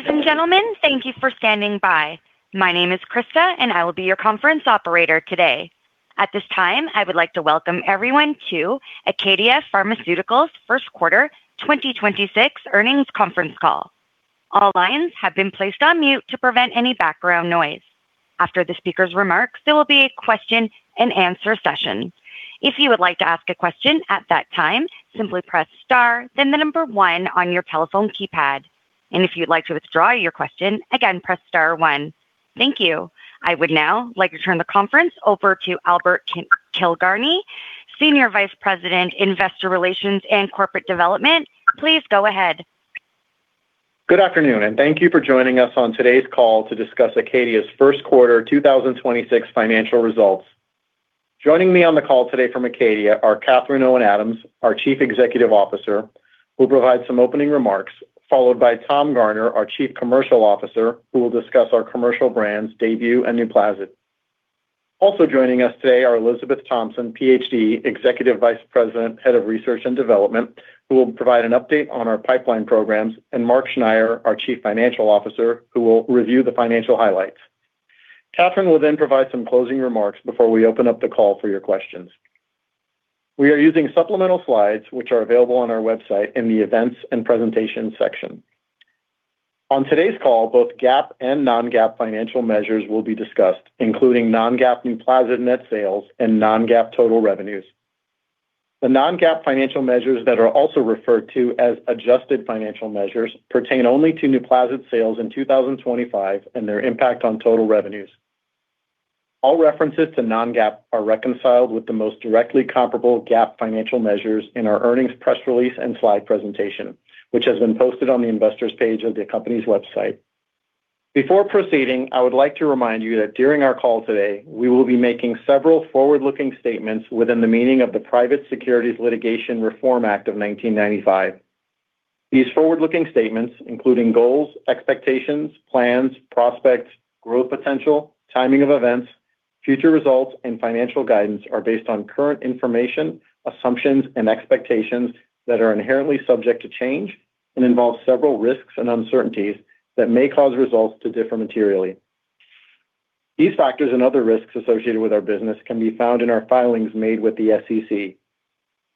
Ladies and gentlemen, thank you for standing by. My name is Krista, and I will be your conference operator today. At this time, I would like to welcome everyone to ACADIA Pharmaceuticals First Quarter 2026 Earnings Conference Call. All lines have been placed on mute to prevent any background noise. After the speaker's remarks, there will be a Question-and-Answer session. If you would like to ask a question at that time, simply press star then the number one on your telephone keypad. And if you'd like to withdraw your question, again, press star one. Thank you. I would now like to turn the conference over to Al Kildani, Senior Vice President, Investor Relations and Corporate Communications. Please go ahead. Good afternoon, and thank you for joining us on today's call to discuss ACADIA Pharmaceuticals' first quarter 2026 financial results. Joining me on the call today from ACADIA Pharmaceuticals are Catherine Owen Adams, our Chief Executive Officer, who will provide some opening remarks, followed by Tom Garner, our Chief Commercial Officer, who will discuss our commercial brands, DAYBUE and NUPLAZID. Also joining us today are Elizabeth Thompson, PhD, Executive Vice President, Head of Research and Development, who will provide an update on our pipeline programs, and Mark Schneyer, our Chief Financial Officer, who will review the financial highlights. Catherine will provide some closing remarks before we open up the call for your questions. We are using supplemental slides, which are available on our website in the Events and Presentation section. On today's call, both GAAP and non-GAAP financial measures will be discussed, including non-GAAP NUPLAZID net sales and non-GAAP total revenues. The non-GAAP financial measures that are also referred to as adjusted financial measures pertain only to NUPLAZID sales in 2025 and their impact on total revenues. All references to non-GAAP are reconciled with the most directly comparable GAAP financial measures in our earnings press release and slide presentation, which has been posted on the investors page of the company's website. Before proceeding, I would like to remind you that during our call today, we will be making several forward-looking statements within the meaning of the Private Securities Litigation Reform Act of 1995. These forward-looking statements, including goals, expectations, plans, prospects, growth potential, timing of events, future results, and financial guidance, are based on current information, assumptions and expectations that are inherently subject to change and involve several risks and uncertainties that may cause results to differ materially. These factors and other risks associated with our business can be found in our filings made with the SEC.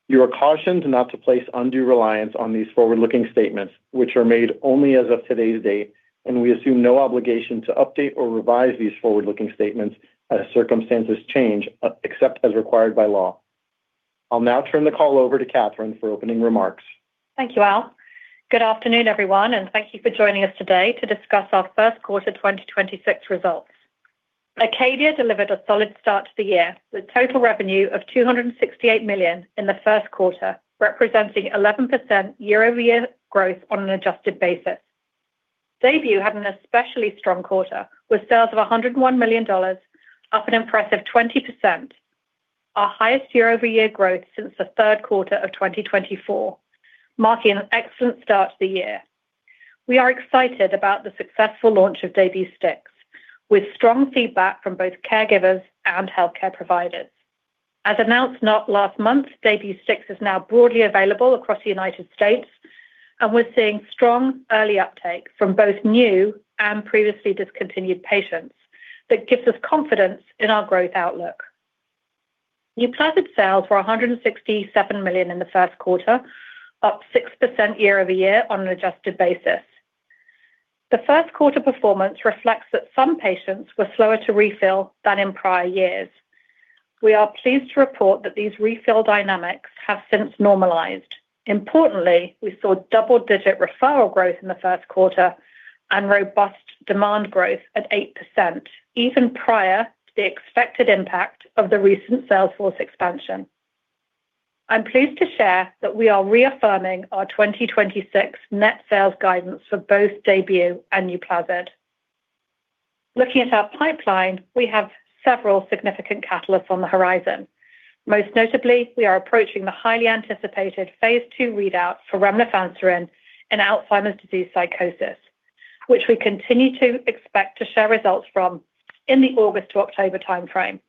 You are cautioned not to place undue reliance on these forward-looking statements, which are made only as of today's date, and we assume no obligation to update or revise these forward-looking statements as circumstances change, except as required by law. I'll now turn the call over to Catherine for opening remarks. Thank you, Al. Good afternoon, everyone, and thank you for joining us today to discuss our first quarter 2026 results. ACADIA delivered a solid start to the year with total revenue of $268 million in the first quarter, representing 11% year-over-year growth on an adjusted basis. DAYBUE had an especially strong quarter with sales of $101 million, up an impressive 20%, our highest year-over-year growth since the third quarter of 2024, marking an excellent start to the year. We are excited about the successful launch of DAYBUE STIX with strong feedback from both caregivers and healthcare providers. As announced now last month, DAYBUE STIX is now broadly available across the United States, we're seeing strong early uptake from both new and previously discontinued patients that gives us confidence in our growth outlook. NUPLAZID sales were $167 million in the first quarter, up 6% year-over-year on an adjusted basis. The first quarter performance reflects that some patients were slower to refill than in prior years. We are pleased to report that these refill dynamics have since normalized. Importantly, we saw double-digit referral growth in the first quarter and robust demand growth at 8% even prior to the expected impact of the recent sales force expansion. I'm pleased to share that we are reaffirming our 2026 net sales guidance for both DAYBUE and NUPLAZID. Looking at our pipeline, we have several significant catalysts on the horizon. Most notably, we are approaching the highly anticipated phase II readout for remlifanserin in Alzheimer's disease psychosis, which we continue to expect to share results from in the August to October timeframe.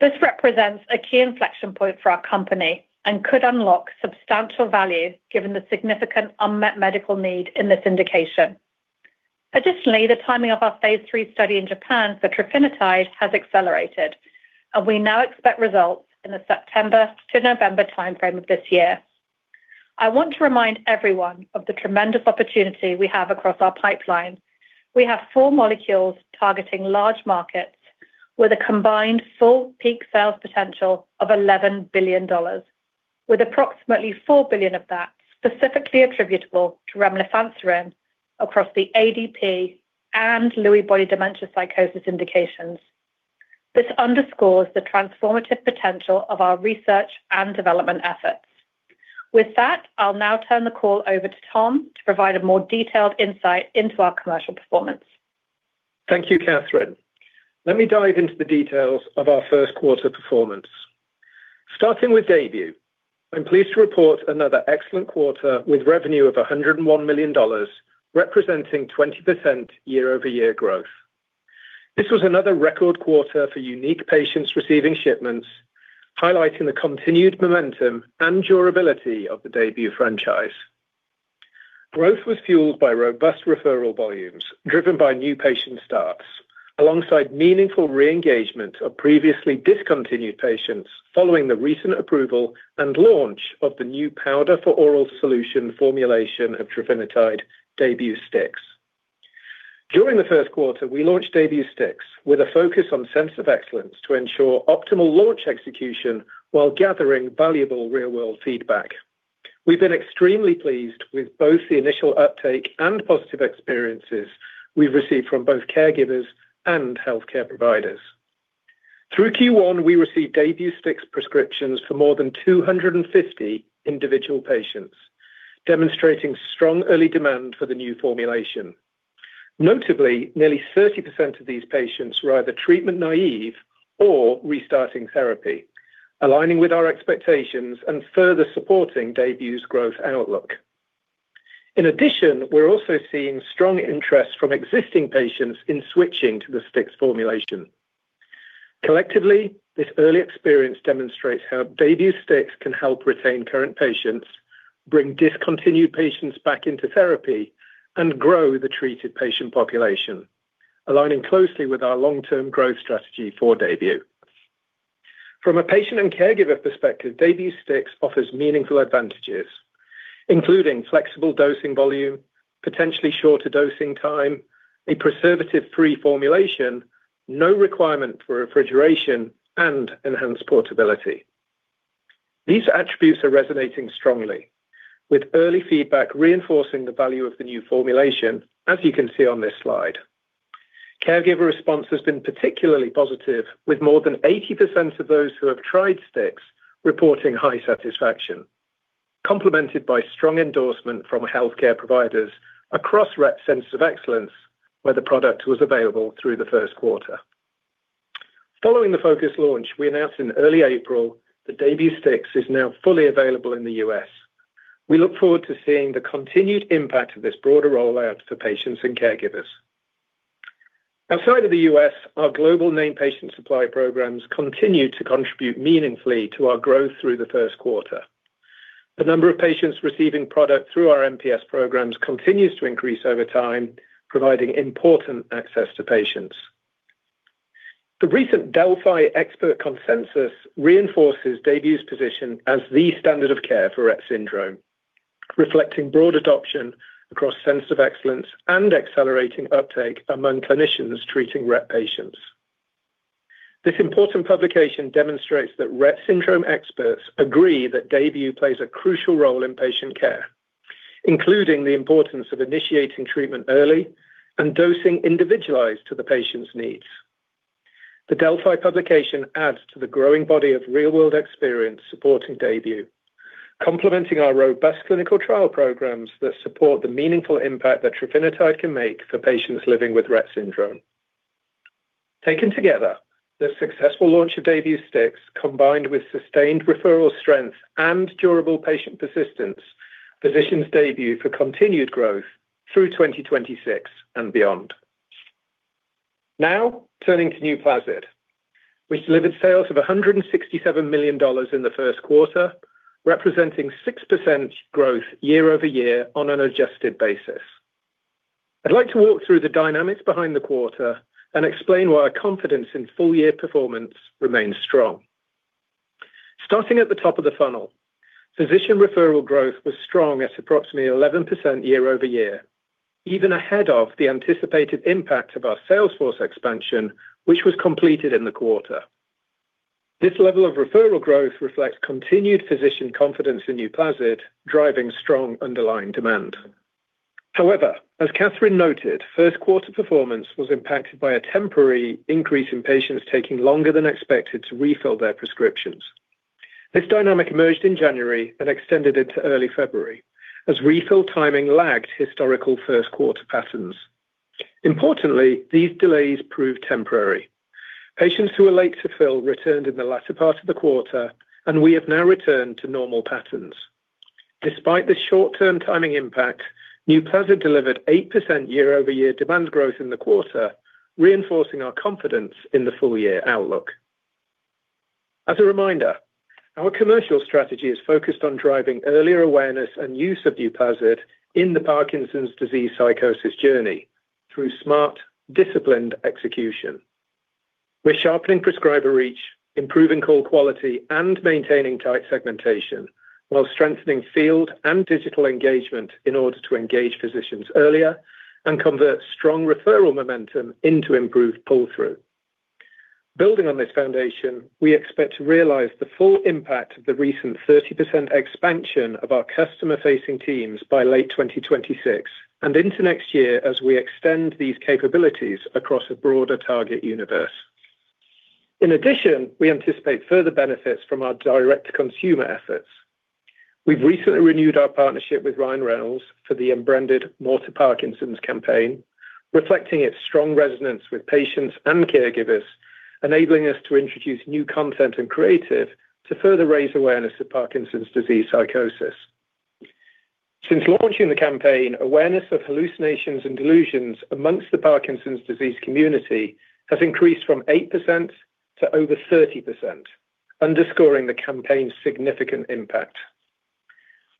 This represents a key inflection point for our company and could unlock substantial value given the significant unmet medical need in this indication. The timing of our phase III study in Japan for trofinetide has accelerated, and we now expect results in the September to November timeframe of this year. I want to remind everyone of the tremendous opportunity we have across our pipeline. We have four molecules targeting large markets with a combined full peak sales potential of $11 billion, with approximately $4 billion of that specifically attributable to remlifanserin across the ADP and Lewy body dementia psychosis indications. This underscores the transformative potential of our research and development efforts. With that, I'll now turn the call over to Tom to provide a more detailed insight into our commercial performance. Thank you, Catherine. Let me dive into the details of our first quarter performance. Starting with DAYBUE, I'm pleased to report another excellent quarter with revenue of $101 million, representing 20% year-over-year growth. This was another record quarter for unique patients receiving shipments, highlighting the continued momentum and durability of the DAYBUE franchise. Growth was fueled by robust referral volumes driven by new patient starts alongside meaningful re-engagement of previously discontinued patients following the recent approval and launch of the new powder for oral solution formulation of trofinetide DAYBUE STIX. During the first quarter, we launched DAYBUE STIX with a focus on Centers of Excellence to ensure optimal launch execution while gathering valuable real-world feedback. We've been extremely pleased with both the initial uptake and positive experiences we've received from both caregivers and healthcare providers. Through Q1, we received DAYBUE STIX prescriptions for more than 250 individual patients, demonstrating strong early demand for the new formulation. Notably, nearly 30% of these patients were either treatment naive or restarting therapy, aligning with our expectations and further supporting DAYBUE's growth outlook. We're also seeing strong interest from existing patients in switching to the STIX formulation. Collectively, this early experience demonstrates how DAYBUE STIX can help retain current patients, bring discontinued patients back into therapy, and grow the treated patient population, aligning closely with our long-term growth strategy for DAYBUE. From a patient and caregiver perspective, DAYBUE STIX offers meaningful advantages, including flexible dosing volume, potentially shorter dosing time, a preservative-free formulation, no requirement for refrigeration, and enhanced portability. These attributes are resonating strongly with early feedback reinforcing the value of the new formulation, as you can see on this slide. Caregiver response has been particularly positive, with more than 80% of those who have tried STIX reporting high satisfaction, complemented by strong endorsement from healthcare providers across Rett centers of excellence where the product was available through the first quarter. Following the focus launch we announced in early April that DAYBUE STIX is now fully available in the U.S. We look forward to seeing the continued impact of this broader rollout for patients and caregivers. Outside of the U.S., our global named patient supply programs continued to contribute meaningfully to our growth through the first quarter. The number of patients receiving product through our NPS programs continues to increase over time, providing important access to patients. The recent Delphi expert consensus reinforces DAYBUE's position as the standard of care for Rett syndrome, reflecting broad adoption across centers of excellence and accelerating uptake among clinicians treating Rett patients. This important publication demonstrates that Rett syndrome experts agree that DAYBUE plays a crucial role in patient care, including the importance of initiating treatment early and dosing individualized to the patient's needs. The Delphi publication adds to the growing body of real-world experience supporting DAYBUE, complementing our robust clinical trial programs that support the meaningful impact that trofinetide can make for patients living with Rett syndrome. Taken together, the successful launch of DAYBUE STIX, combined with sustained referral strength and durable patient persistence, positions DAYBUE for continued growth through 2026 and beyond. Turning to NUPLAZID. We delivered sales of $167 million in the first quarter, representing 6% growth year-over-year on an adjusted basis. I'd like to walk through the dynamics behind the quarter and explain why our confidence in full year performance remains strong. Starting at the top of the funnel, physician referral growth was strong at approximately 11% year-over-year, even ahead of the anticipated impact of our sales force expansion, which was completed in the quarter. This level of referral growth reflects continued physician confidence in NUPLAZID, driving strong underlying demand. However, as Catherine noted, first quarter performance was impacted by a temporary increase in patients taking longer than expected to refill their prescriptions. This dynamic emerged in January and extended into early February as refill timing lagged historical first quarter patterns. Importantly, these delays proved temporary. Patients who were late to fill returned in the latter part of the quarter, and we have now returned to normal patterns. Despite the short-term timing impact, NUPLAZID delivered 8% year-over-year demand growth in the quarter, reinforcing our confidence in the full year outlook. As a reminder, our commercial strategy is focused on driving earlier awareness and use of NUPLAZID in the Parkinson's disease psychosis journey through smart, disciplined execution. We're sharpening prescriber reach, improving call quality, and maintaining tight segmentation while strengthening field and digital engagement in order to engage physicians earlier and convert strong referral momentum into improved pull-through. Building on this foundation, we expect to realize the full impact of the recent 30% expansion of our customer-facing teams by late 2026 and into next year as we extend these capabilities across a broader target universe. In addition, we anticipate further benefits from our direct-to-consumer efforts. We've recently renewed our partnership with Ryan Reynolds for the unbranded More to Parkinson's campaign, reflecting its strong resonance with patients and caregivers, enabling us to introduce new content and creative to further raise awareness of Parkinson's disease psychosis. Since launching the campaign, awareness of hallucinations and delusions amongst the Parkinson's disease community has increased from 8% to over 30%, underscoring the campaign's significant impact.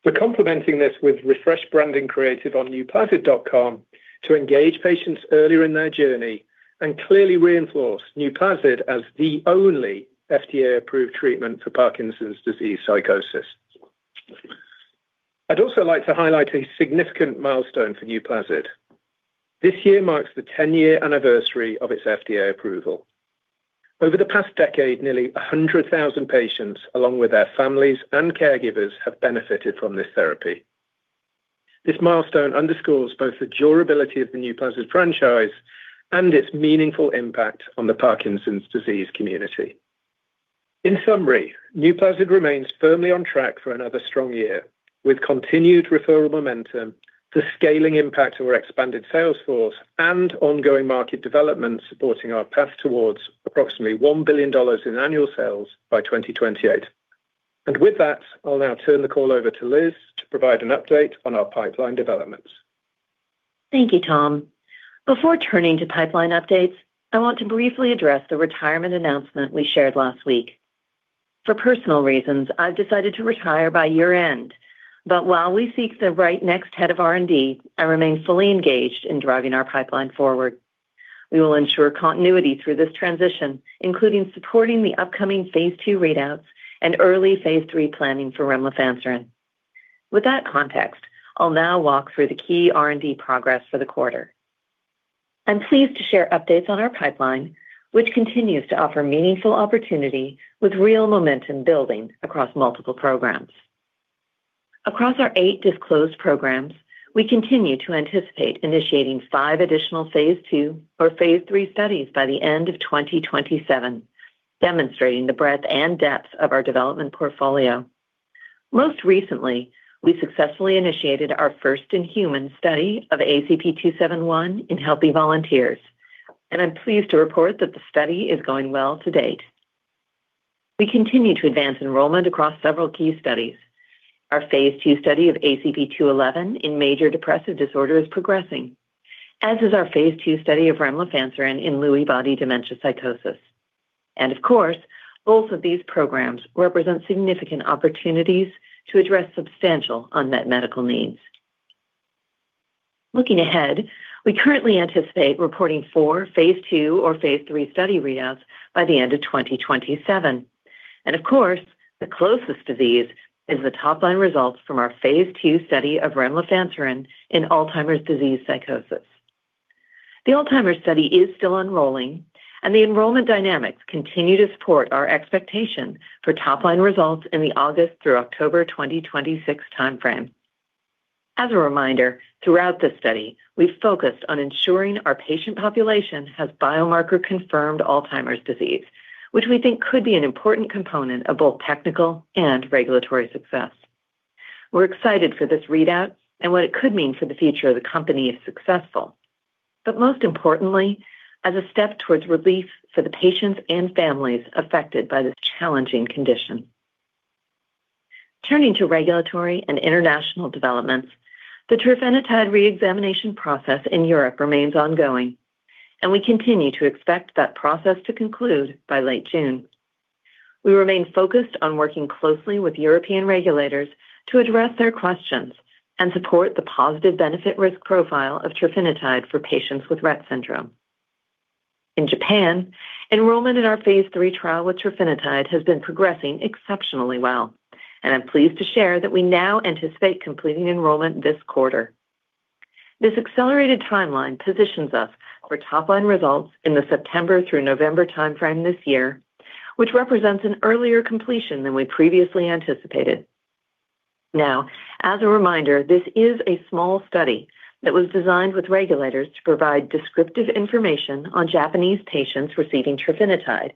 We're complementing this with refreshed branding creative on nuplazid.com to engage patients earlier in their journey and clearly reinforce NUPLAZID as the only FDA-approved treatment for Parkinson's disease psychosis. I'd also like to highlight a significant milestone for NUPLAZID. This year marks the 10-year anniversary of its FDA approval. Over the past decade, nearly 100,000 patients, along with their families and caregivers, have benefited from this therapy. This milestone underscores both the durability of the NUPLAZID franchise and its meaningful impact on the Parkinson's disease community. In summary, NUPLAZID remains firmly on track for another strong year, with continued referral momentum, the scaling impact of our expanded sales force, and ongoing market development supporting our path towards approximately $1 billion in annual sales by 2028. With that, I'll now turn the call over to Liz to provide an update on our pipeline developments. Thank you, Tom. Before turning to pipeline updates, I want to briefly address the retirement announcement we shared last week. For personal reasons, I've decided to retire by year-end. While we seek the right next head of R&D, I remain fully engaged in driving our pipeline forward. We will ensure continuity through this transition, including supporting the upcoming phase II readouts and early phase III planning for remlifanserin. With that context, I'll now walk through the key R&D progress for the quarter. I'm pleased to share updates on our pipeline, which continues to offer meaningful opportunity with real momentum building across multiple programs. Across our eight disclosed programs, we continue to anticipate initiating five additional phase II or phase III studies by the end of 2027, demonstrating the breadth and depth of our development portfolio. Most recently, we successfully initiated our first in-human study of ACP-271 in healthy volunteers, and I'm pleased to report that the study is going well to date. We continue to advance enrollment across several key studies. Our phase II study of ACP-211 in major depressive disorder is progressing, as is our phase II study of remlifanserin in Lewy body dementia psychosis. Of course, both of these programs represent significant opportunities to address substantial unmet medical needs. Looking ahead, we currently anticipate reporting four phase II or phase III study readouts by the end of 2027. Of course, the closest to these is the top-line results from our phase II study of remlifanserin in Alzheimer's disease psychosis. The Alzheimer's study is still enrolling, and the enrollment dynamics continue to support our expectation for top-line results in the August through October 2026 timeframe. As a reminder, throughout this study, we've focused on ensuring our patient population has biomarker-confirmed Alzheimer's disease, which we think could be an important component of both technical and regulatory success. We're excited for this readout and what it could mean for the future of the company if successful. Most importantly, as a step towards relief for the patients and families affected by this challenging condition. Turning to regulatory and international developments, the trofinetide reexamination process in Europe remains ongoing, and we continue to expect that process to conclude by late June. We remain focused on working closely with European regulators to address their questions and support the positive benefit risk profile of trofinetide for patients with Rett syndrome. In Japan, enrollment in our phase III trial with trofinetide has been progressing exceptionally well, and I'm pleased to share that we now anticipate completing enrollment this quarter. This accelerated timeline positions us for top-line results in the September through November timeframe this year, which represents an earlier completion than we previously anticipated. As a reminder, this is a small study that was designed with regulators to provide descriptive information on Japanese patients receiving trofinetide.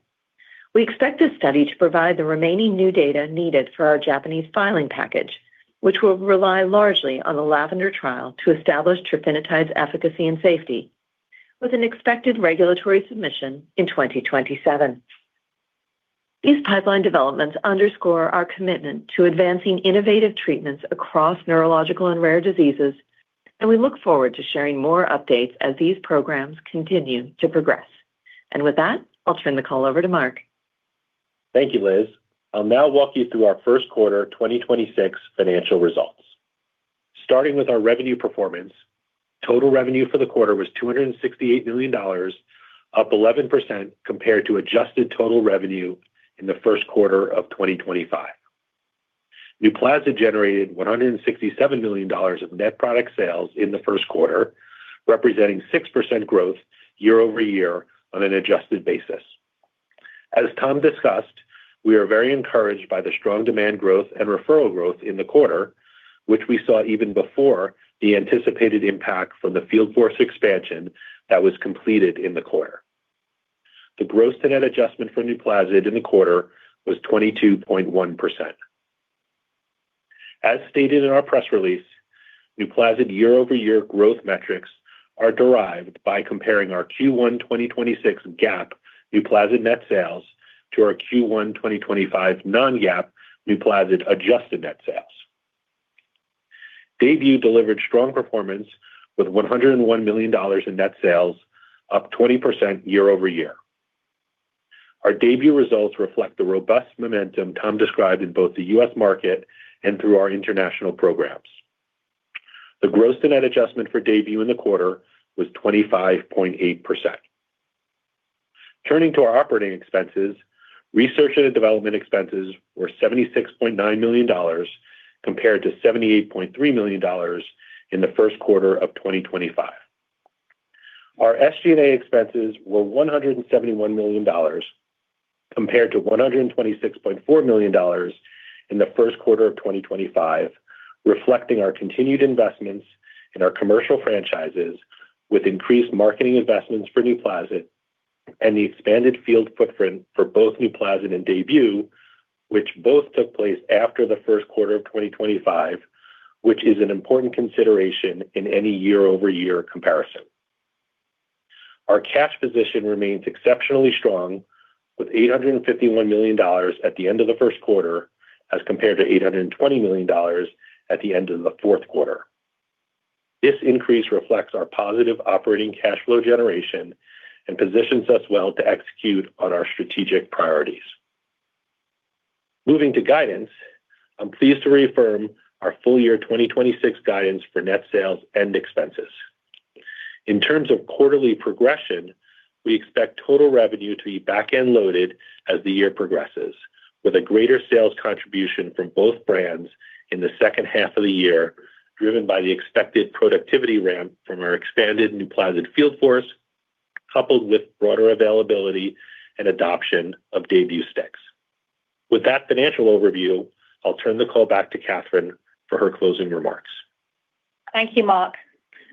We expect this study to provide the remaining new data needed for our Japanese filing package, which will rely largely on the Lavender trial to establish trofinetide's efficacy and safety with an expected regulatory submission in 2027. These pipeline developments underscore our commitment to advancing innovative treatments across neurological and rare diseases, and we look forward to sharing more updates as these programs continue to progress. With that, I'll turn the call over to Mark. Thank you, Liz. I'll now walk you through our first quarter 2026 financial results. Starting with our revenue performance, total revenue for the quarter was $268 million, up 11% compared to adjusted total revenue in the first quarter of 2025. NUPLAZID generated $167 million of net product sales in the first quarter, representing 6% growth year-over-year on an adjusted basis. As Tom discussed, we are very encouraged by the strong demand growth and referral growth in the quarter, which we saw even before the anticipated impact from the field force expansion that was completed in the quarter. The gross to net adjustment for NUPLAZID in the quarter was 22.1%. As stated in our press release, NUPLAZID year-over-year growth metrics are derived by comparing our Q1 2026 GAAP NUPLAZID net sales to our Q1 2025 non-GAAP NUPLAZID adjusted net sales. DAYBUE delivered strong performance with $101 million in net sales, up 20% year-over-year. Our DAYBUE results reflect the robust momentum Tom described in both the U.S. market and through our international programs. The gross to net adjustment for DAYBUE in the quarter was 25.8%. Turning to our operating expenses, research and development expenses were $76.9 million compared to $78.3 million in the first quarter of 2025. Our SG&A expenses were $171 million compared to $126.4 million in the first quarter of 2025, reflecting our continued investments in our commercial franchises with increased marketing investments for NUPLAZID and the expanded field footprint for both NUPLAZID and DAYBUE, which both took place after the first quarter of 2025, which is an important consideration in any year-over-year comparison. Our cash position remains exceptionally strong with $851 million at the end of the first quarter as compared to $820 million at the end of the fourth quarter. This increase reflects our positive operating cash flow generation and positions us well to execute on our strategic priorities. Moving to guidance, I'm pleased to reaffirm our full year 2026 guidance for net sales and expenses. In terms of quarterly progression, we expect total revenue to be back-end loaded as the year progresses, with a greater sales contribution from both brands in the second half of the year, driven by the expected productivity ramp from our expanded NUPLAZID field force, coupled with broader availability and adoption of DAYBUE STIX. With that financial overview, I'll turn the call back to Catherine for her closing remarks. Thank you, Mark.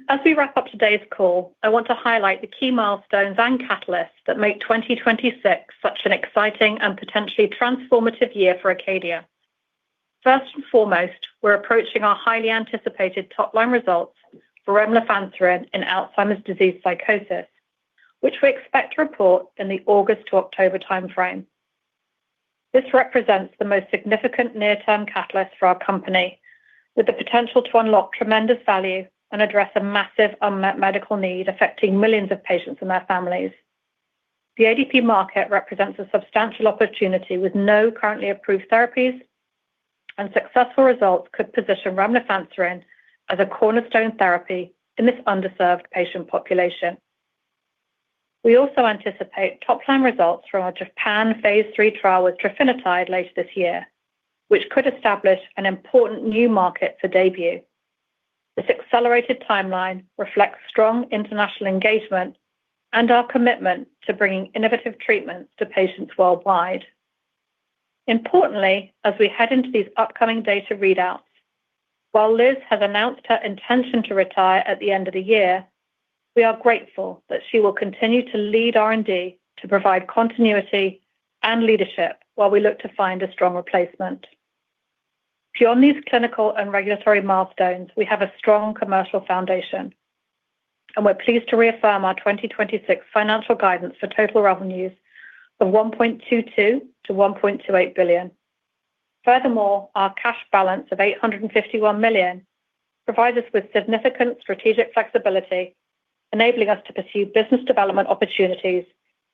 As we wrap up today's call, I want to highlight the key milestones and catalysts that make 2026 such an exciting and potentially transformative year for ACADIA. First and foremost, we're approaching our highly anticipated top-line results for remlifanserin in Alzheimer's disease psychosis, which we expect to report in the August to October timeframe. This represents the most significant near-term catalyst for our company, with the potential to unlock tremendous value and address a massive unmet medical need affecting millions of patients and their families. The ADP market represents a substantial opportunity with no currently approved therapies, and successful results could position remlifanserin as a cornerstone therapy in this underserved patient population. We also anticipate top-line results from our Japan phase III trial with trofinetide later this year, which could establish an important new market for DAYBUE. This accelerated timeline reflects strong international engagement and our commitment to bringing innovative treatments to patients worldwide. Importantly, as we head into these upcoming data readouts, while Liz has announced her intention to retire at the end of the year, we are grateful that she will continue to lead R&D to provide continuity and leadership while we look to find a strong replacement. Beyond these clinical and regulatory milestones, we have a strong commercial foundation. We're pleased to reaffirm our 2026 financial guidance for total revenues of $1.22 billion-$1.28 billion. Our cash balance of $851 million provides us with significant strategic flexibility, enabling us to pursue business development opportunities,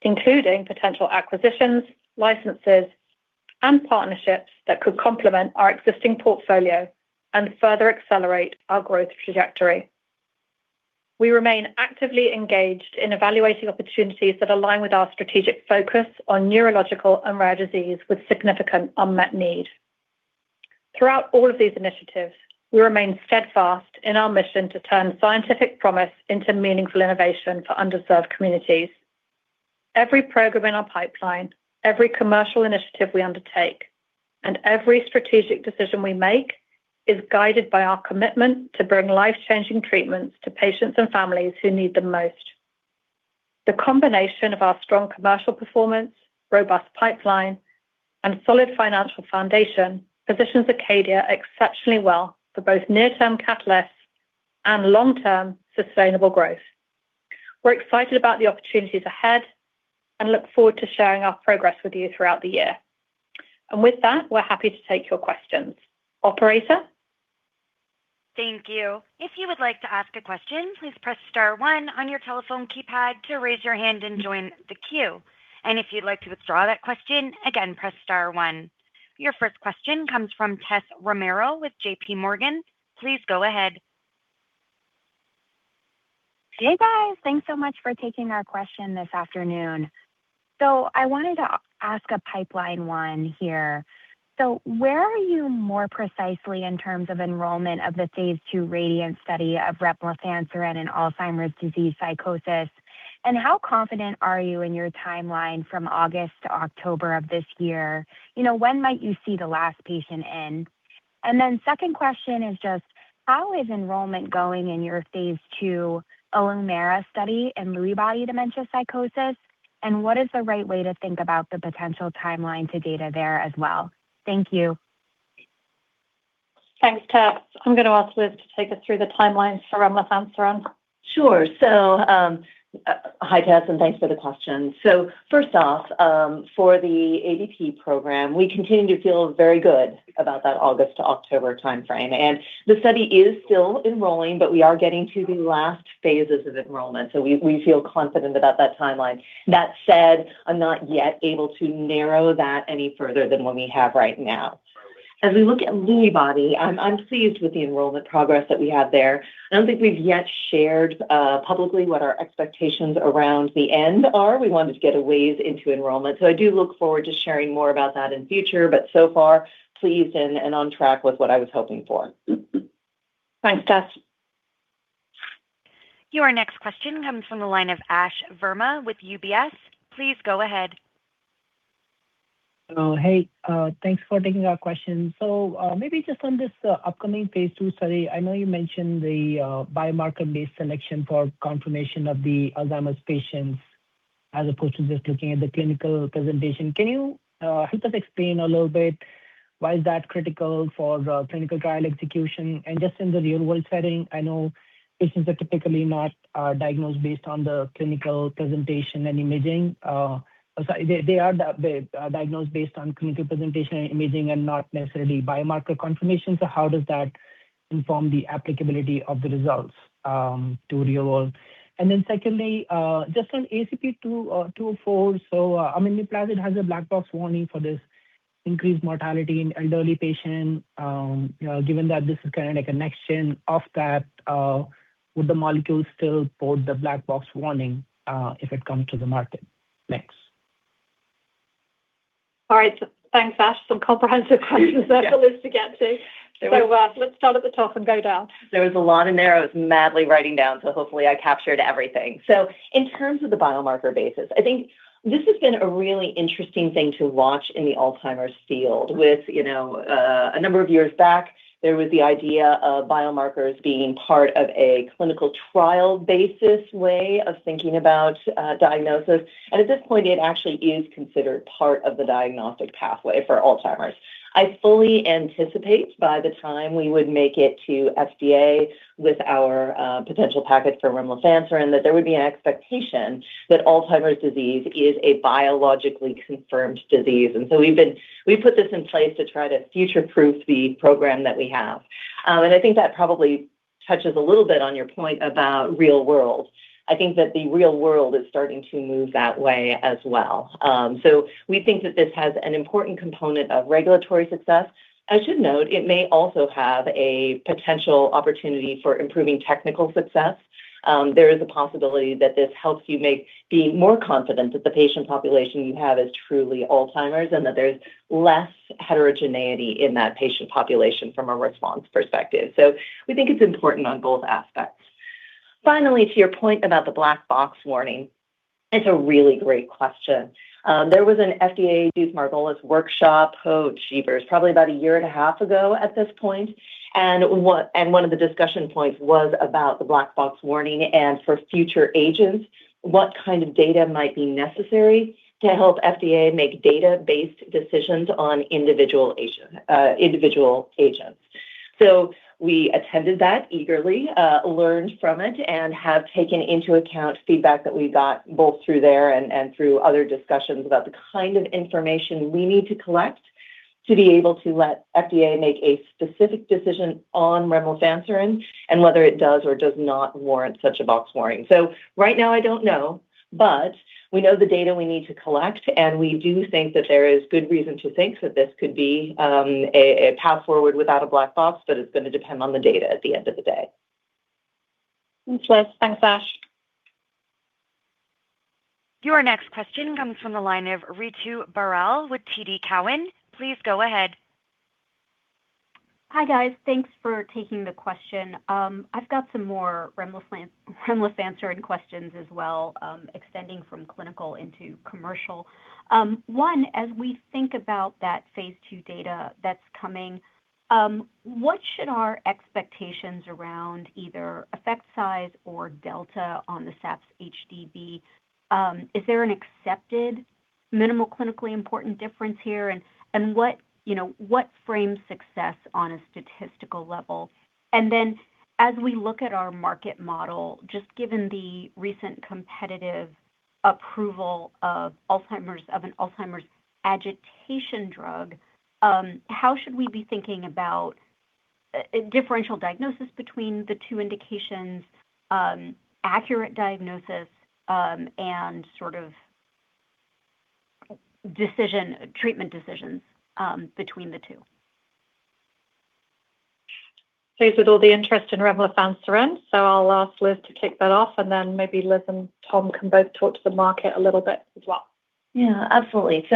including potential acquisitions, licenses, and partnerships that could complement our existing portfolio and further accelerate our growth trajectory. We remain actively engaged in evaluating opportunities that align with our strategic focus on neurological and rare disease with significant unmet need. Throughout all of these initiatives, we remain steadfast in our mission to turn scientific promise into meaningful innovation for underserved communities. Every program in our pipeline, every commercial initiative we undertake, and every strategic decision we make is guided by our commitment to bring life-changing treatments to patients and families who need them most. The combination of our strong commercial performance, robust pipeline, and solid financial foundation positions ACADIA exceptionally well for both near-term catalysts and long-term sustainable growth. We're excited about the opportunities ahead and look forward to sharing our progress with you throughout the year. With that, we're happy to take your questions. Operator? Thank you. If you would like to ask a question, please press star one on your telephone keypad to raise your hand and join the queue. If you'd like to withdraw that question, again, press star one. Your first question comes from Tessa Romero with JPMorgan. Please go ahead. Hey, guys. Thanks so much for taking our question this afternoon. I wanted to ask a pipeline one here. Where are you more precisely in terms of enrollment of the phase II RADIANT study of remlifanserin in Alzheimer's disease psychosis? How confident are you in your timeline from August to October of this year? You know, when might you see the last patient in? Second question is just how is enrollment going in your phase II ILLUMERA study in Lewy body dementia psychosis? What is the right way to think about the potential timeline to data there as well? Thank you. Thanks, Tess. I'm gonna ask Liz to take us through the timeline for remlifanserin. Sure. Hi Tess, and thanks for the question. First off, for the ADP program, we continue to feel very good about that August to October timeframe. The study is still enrolling, but we are getting to the last phases of enrollment, we feel confident about that timeline. That said, I'm not yet able to narrow that any further than what we have right now. As we look at Lewy body, I'm pleased with the enrollment progress that we have there. I don't think we've yet shared publicly what our expectations around the end are. We wanted to get a ways into enrollment, I do look forward to sharing more about that in future, so far, pleased and on track with what I was hoping for. Thanks, Tess. Your next question comes from the line of Ashwani Verma with UBS. Please go ahead. Hello. Thanks for taking our question. Maybe just on this upcoming phase II study, I know you mentioned the biomarker-based selection for confirmation of the Alzheimer's patients, as opposed to just looking at the clinical presentation. Can you help us explain a little bit why is that critical for the clinical trial execution? Just in the real-world setting, I know patients are typically not diagnosed based on the clinical presentation and imaging. Sorry, they are diagnosed based on clinical presentation and imaging and not necessarily biomarker confirmation. How does that inform the applicability of the results to real world? Secondly, just on ACP-204. I mean, the patient has a black box warning for this increased mortality in elderly patient. Given that this is kinda a connection of that, would the molecule still hold the black box warning if it comes to the market next? All right. Thanks, Ash. Some comprehensive questions there. Yeah -for Liz to get to. There was- Let's start at the top and go down. There was a lot in there. I was madly writing down, so hopefully I captured everything. In terms of the biomarker basis, I think this has been a really interesting thing to watch in the Alzheimer's field with, you know, a number of years back, there was the idea of biomarkers being part of a clinical trial basis way of thinking about diagnosis. At this point, it actually is considered part of the diagnostic pathway for Alzheimer's. I fully anticipate by the time we would make it to FDA with our potential package for remlifanserin that there would be an expectation that Alzheimer's disease is a biologically confirmed disease. We put this in place to try to future-proof the program that we have. I think that probably touches a little bit on your point about real world. I think that the real world is starting to move that way as well. We think that this has an important component of regulatory success. I should note it may also have a potential opportunity for improving technical success. There is a possibility that this helps you make being more confident that the patient population you have is truly Alzheimer's, and that there's less heterogeneity in that patient population from a response perspective. We think it's important on both aspects. Finally, to your point about the black box warning, it's a really great question. There was an FDA Duke-Margolis workshop, oh, jeez, probably about a year and a half ago at this point. One of the discussion points was about the black box warning and for future agents, what kind of data might be necessary to help FDA make data-based decisions on individual agents. We attended that eagerly, learned from it, and have taken into account feedback that we got both through there and through other discussions about the kind of information we need to collect to be able to let FDA make a specific decision on remlifanserin and whether it does or does not warrant such a box warning. Right now, I don't know, but we know the data we need to collect, and we do think that there is good reason to think that this could be a path forward without a black box, but it's gonna depend on the data at the end of the day. Thanks, Liz. Thanks, Ash. Your next question comes from the line of Ritu Baral with TD Cowen. Please go ahead. Hi, guys. Thanks for taking the question. I've got some more remlifanserin questions as well, extending from clinical into commercial. One, as we think about that phase II data that's coming, what should our expectations around either effect size or delta on the SAPS-H&D be? Is there an accepted minimal clinically important difference here? What, you know, what frames success on a statistical level? As we look at our market model, just given the recent competitive approval of Alzheimer's, of an Alzheimer's agitation drug, how should we be thinking about differential diagnosis between the two indications, accurate diagnosis, and sort of decision, treatment decisions, between the two? Please, with all the interest in remlifanserin. I'll ask Liz to kick that off, and then maybe Liz and Tom can both talk to the market a little bit as well. Yeah, absolutely.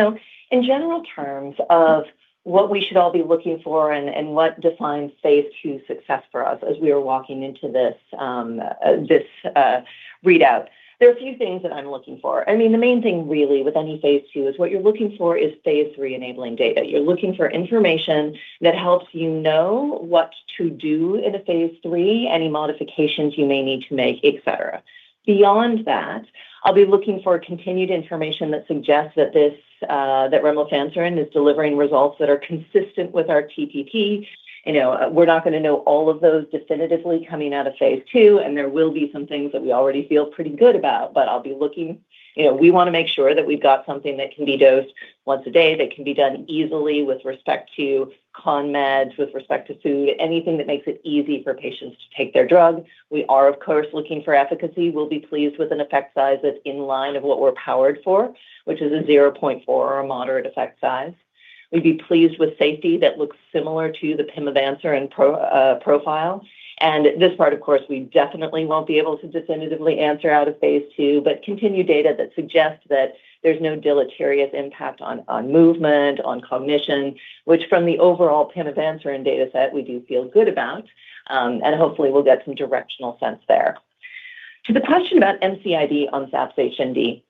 In general terms of what we should all be looking for and what defines phase II success for us as we are walking into this readout, there are a few things that I'm looking for. I mean, the main thing really with any phase II is what you're looking for is phase III-enabling data. You're looking for information that helps you know what to do in a phase III, any modifications you may need to make, et cetera. Beyond that, I'll be looking for continued information that suggests that this remlifanserin is delivering results that are consistent with our TPP. You know, we're not gonna know all of those definitively coming out of phase II, and there will be some things that we already feel pretty good about. I'll be looking. You know, we wanna make sure that we've got something that can be dosed once a day, that can be done easily with respect to con meds, with respect to food, anything that makes it easy for patients to take their drug. We are, of course, looking for efficacy. We'll be pleased with an effect size that's in line of what we're powered for, which is a 0.4 or a moderate effect size. We'd be pleased with safety that looks similar to the pimavanserin profile. This part, of course, we definitely won't be able to definitively answer out of phase II, but continued data that suggests that there's no deleterious impact on movement, on cognition, which from the overall pimavanserin data set we do feel good about, and hopefully we'll get some directional sense there. To the question about MCID on SAPS-H&D,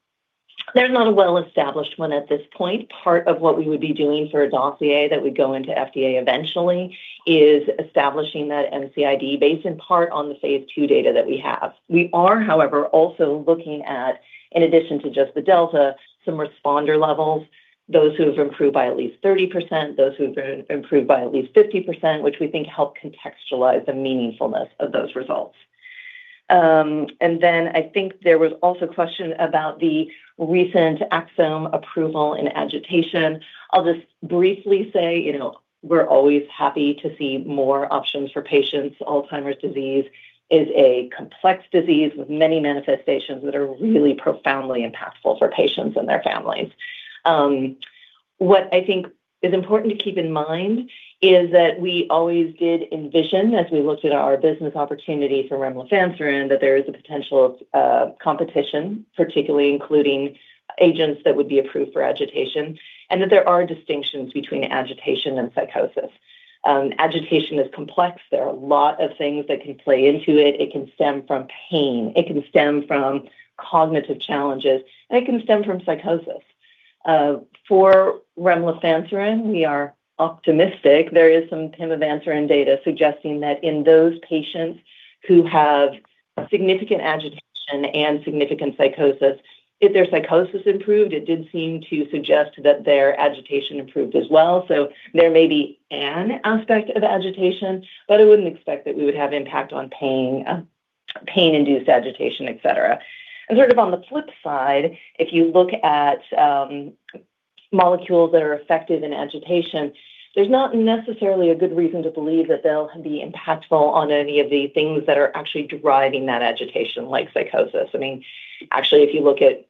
there's not a well-established one at this point. Part of what we would be doing for a dossier that would go into FDA eventually is establishing that MCID based in part on the phase II data that we have. We are, however, also looking at, in addition to just the delta, some responder levels, those who have improved by at least 30%, those who have improved by at least 50%, which we think help contextualize the meaningfulness of those results. I think there was also a question about the recent Axsome approval and agitation. I'll just briefly say, you know, we're always happy to see more options for patients. Alzheimer's disease is a complex disease with many manifestations that are really profoundly impactful for patients and their families. What I think is important to keep in mind is that we always did envision, as we looked at our business opportunity for remlifanserin, that there is a potential of competition, particularly including agents that would be approved for agitation, and that there are distinctions between agitation and psychosis. Agitation is complex. There are a lot of things that can play into it. It can stem from pain. It can stem from cognitive challenges. It can stem from psychosis. For remlifanserin, we are optimistic. There is some pimavanserin data suggesting that in those patients who have significant agitation and significant psychosis, if their psychosis improved, it did seem to suggest that their agitation improved as well. There may be an aspect of agitation, but I wouldn't expect that we would have impact on pain-induced agitation, et cetera. Sort of on the flip side, if you look at molecules that are effective in agitation, there's not necessarily a good reason to believe that they'll be impactful on any of the things that are actually driving that agitation, like psychosis. I mean, actually, if you look at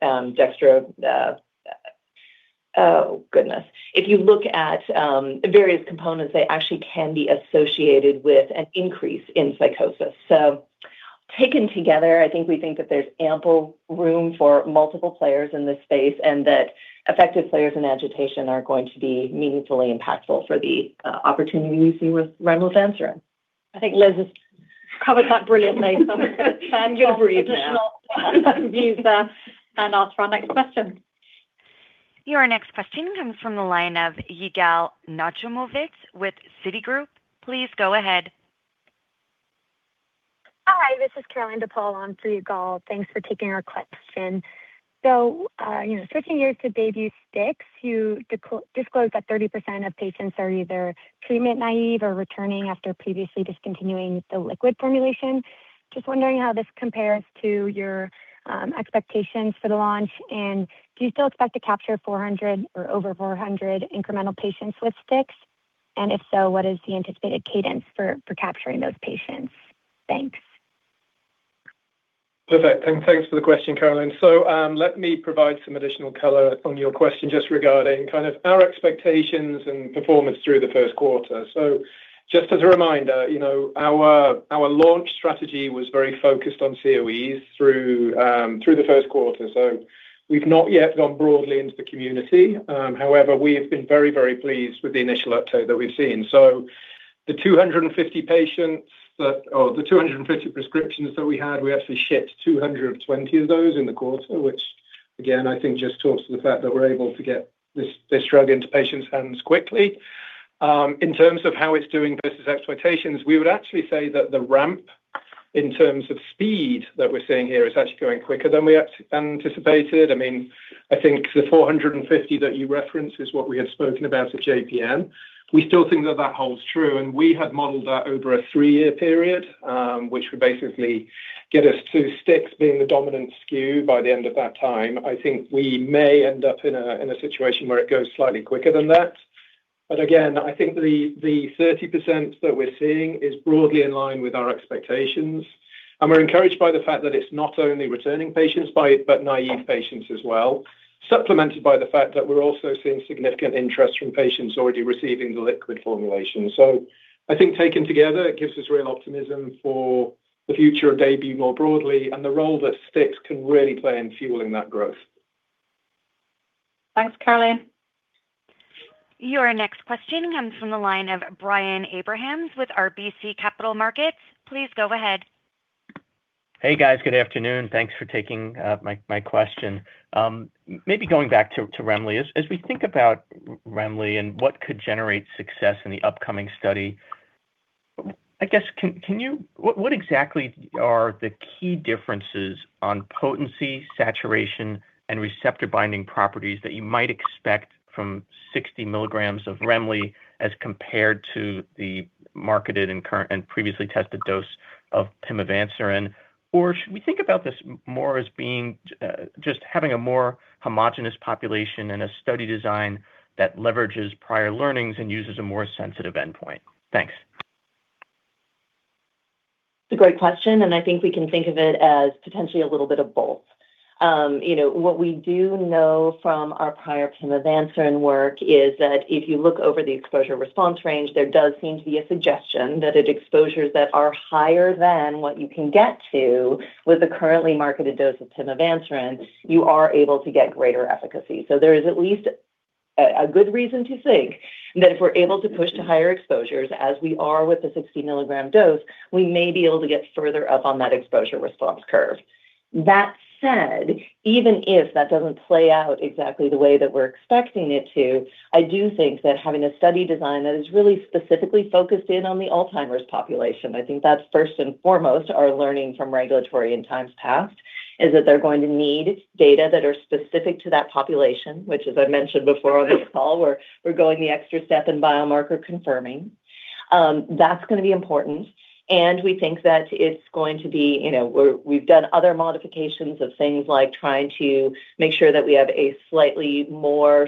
various components, they actually can be associated with an increase in psychosis. Taken together, I think we think that there's ample room for multiple players in this space, and that effective players in agitation are going to be meaningfully impactful for the opportunities we see with remlifanserin. I think Liz has covered that brilliantly. You're free now. Additional views there and ask our next question. Your next question comes from the line of Yigal Nochomovitz with Citigroup. Please go ahead. Hi, this is Caroline DePaul on for Yigal. Thanks for taking our question. you know, switching gears to DAYBUE STIX, you disclosed that 30% of patients are either treatment naive or returning after previously discontinuing the liquid formulation. Just wondering how this compares to your expectations for the launch. Do you still expect to capture 400 or over 400 incremental patients with STIX? If so, what is the anticipated cadence for capturing those patients? Thanks. Perfect. Thanks for the question, Caroline. Let me provide some additional color on your question just regarding kind of our expectations and performance through the first quarter. Just as a reminder, you know, our launch strategy was very focused on COEs through the first quarter, we've not yet gone broadly into the community. However, we have been very pleased with the initial uptake that we've seen. The 250 patients or the 250 prescriptions that we had, we actually shipped 220 of those in the quarter, which again, I think just talks to the fact that we're able to get this drug into patients' hands quickly. In terms of how it's doing versus expectations, we would actually say that the ramp in terms of speed that we're seeing here is actually going quicker than we anticipated. I mean, I think the $450 that you referenced is what we had spoken about at JPM. We still think that that holds true, and we had modeled that over a three-year period, which would basically get us to STIX being the dominant SKU by the end of that time. I think we may end up in a situation where it goes slightly quicker than that. But again, I think the 30% that we're seeing is broadly in line with our expectations. We're encouraged by the fact that it's not only returning patients but naive patients as well, supplemented by the fact that we're also seeing significant interest from patients already receiving the liquid formulation. I think taken together, it gives us real optimism for the future of DAYBUE more broadly and the role that STIX can really play in fueling that growth. Thanks, Caroline. Your next question comes from the line of Brian Abrahams with RBC Capital Markets. Please go ahead. Hey, guys. Good afternoon. Thanks for taking my question. maybe going back to remli. As we think about remley and what could generate success in the upcoming study. I guess can you what exactly are the key differences on potency, saturation, and receptor binding properties that you might expect from 60 mg of remli as compared to the marketed and current and previously tested dose of pimavanserin? Should we think about this more as being just having a more homogeneous population and a study design that leverages prior learnings and uses a more sensitive endpoint? Thanks. It's a great question, and I think we can think of it as potentially a little bit of both. You know, what we do know from our prior pimavanserin work is that if you look over the exposure response range, there does seem to be a suggestion that at exposures that are higher than what you can get to with the currently marketed dose of pimavanserin, you are able to get greater efficacy. There is at least a good reason to think that if we're able to push to higher exposures, as we are with the 60 mg dose, we may be able to get further up on that exposure response curve. That said, even if that doesn't play out exactly the way that we're expecting it to, I do think that having a study design that is really specifically focused in on the Alzheimer's population, I think that's first and foremost our learning from regulatory in times past, is that they're going to need data that are specific to that population, which as I mentioned before on this call, we're going the extra step in biomarker confirming. That's gonna be important. We think that it's going to be, we've done other modifications of things like trying to make sure that we have a slightly more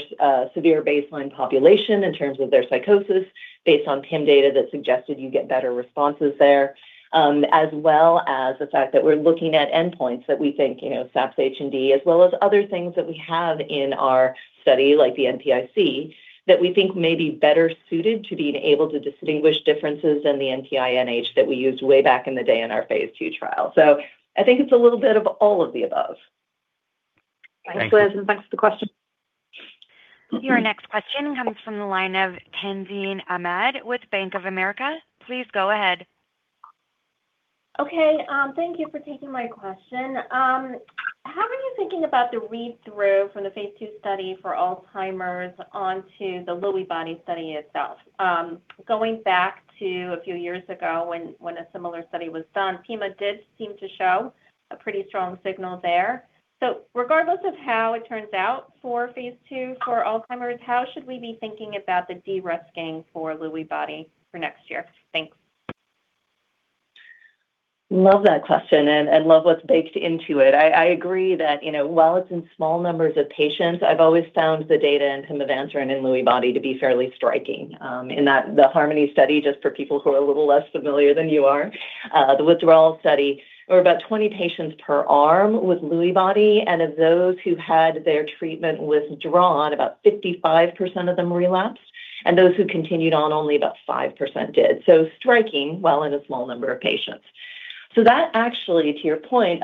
severe baseline population in terms of their psychosis based on PIM data that suggested you get better responses there, as well as the fact that we're looking at endpoints that we think, SAPS-H&D, as well as other things that we have in our study, like the NPI-C, that we think may be better suited to being able to distinguish differences in the NPI-NH that we used way back in the day in our phase II trial. I think it's a little bit of all of the above. Thank you. Thanks, Elizabeth. Thanks for the question. Your next question comes from the line of Tazeen Ahmad with Bank of America. Please go ahead. Okay, thank you for taking my question. How are you thinking about the read-through from the phase II study for Alzheimer's on to the Lewy Body study itself? Going back to a few years ago when a similar study was done, Pima did seem to show a pretty strong signal there. Regardless of how it turns out for phase II for Alzheimer's, how should we be thinking about the de-risking for Lewy Body for next year? Thanks. Love that question and love what's baked into it. I agree that, you know, while it's in small numbers of patients, I've always found the data in pimavanserin and in Lewy body to be fairly striking. In that the HARMONY study, just for people who are a little less familiar than you are, the withdrawal study, there were about 20 patients per arm with Lewy body, and of those who had their treatment withdrawn, about 55% of them relapsed. Those who continued on, only about 5% did. Striking while in a small number of patients. That actually, to your point,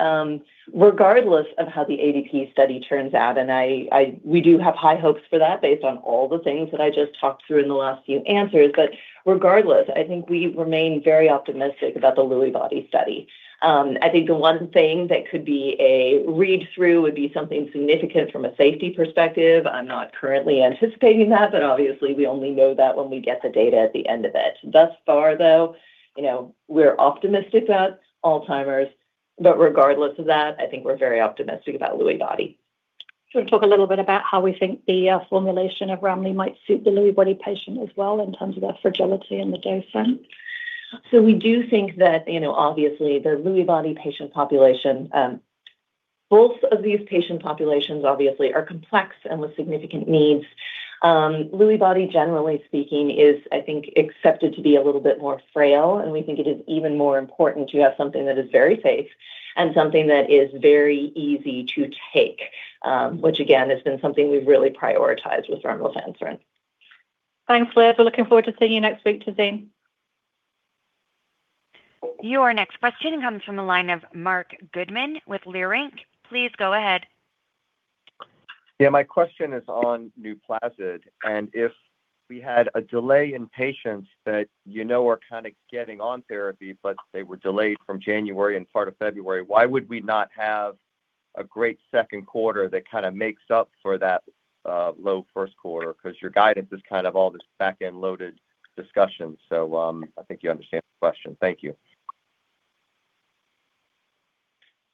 regardless of how the ADP study turns out, and we do have high hopes for that based on all the things that I just talked through in the last few answers. Regardless, I think we remain very optimistic about the Lewy body study. I think the one thing that could be a read-through would be something significant from a safety perspective. I'm not currently anticipating that, but obviously we only know that when we get the data at the end of it. Thus far, though, you know, we're optimistic about Alzheimer's, but regardless of that, I think we're very optimistic about Lewy body. Do you want to talk a little bit about how we think the formulation of remley might suit the Lewy body patient as well in terms of that fragility and the dosing? We do think that, you know, obviously, the Lewy body patient population, both of these patient populations obviously are complex and with significant needs. Lewy body, generally speaking, is, I think, accepted to be a little bit more frail, and we think it is even more important to have something that is very safe and something that is very easy to take, which again has been something we've really prioritized with remlifanserin. Thanks, Liz. We're looking forward to seeing you next week, Tazeen. Your next question comes from the line of Marc Goodman with Leerink Partners. Please go ahead. Yeah, my question is on NUPLAZID, if we had a delay in patients that you know are kinda getting on therapy, they were delayed from January and part of February, why would we not have a great second quarter that kinda makes up for that low first quarter? 'Cause your guidance is kind of all this back-end loaded discussion. I think you understand the question. Thank you.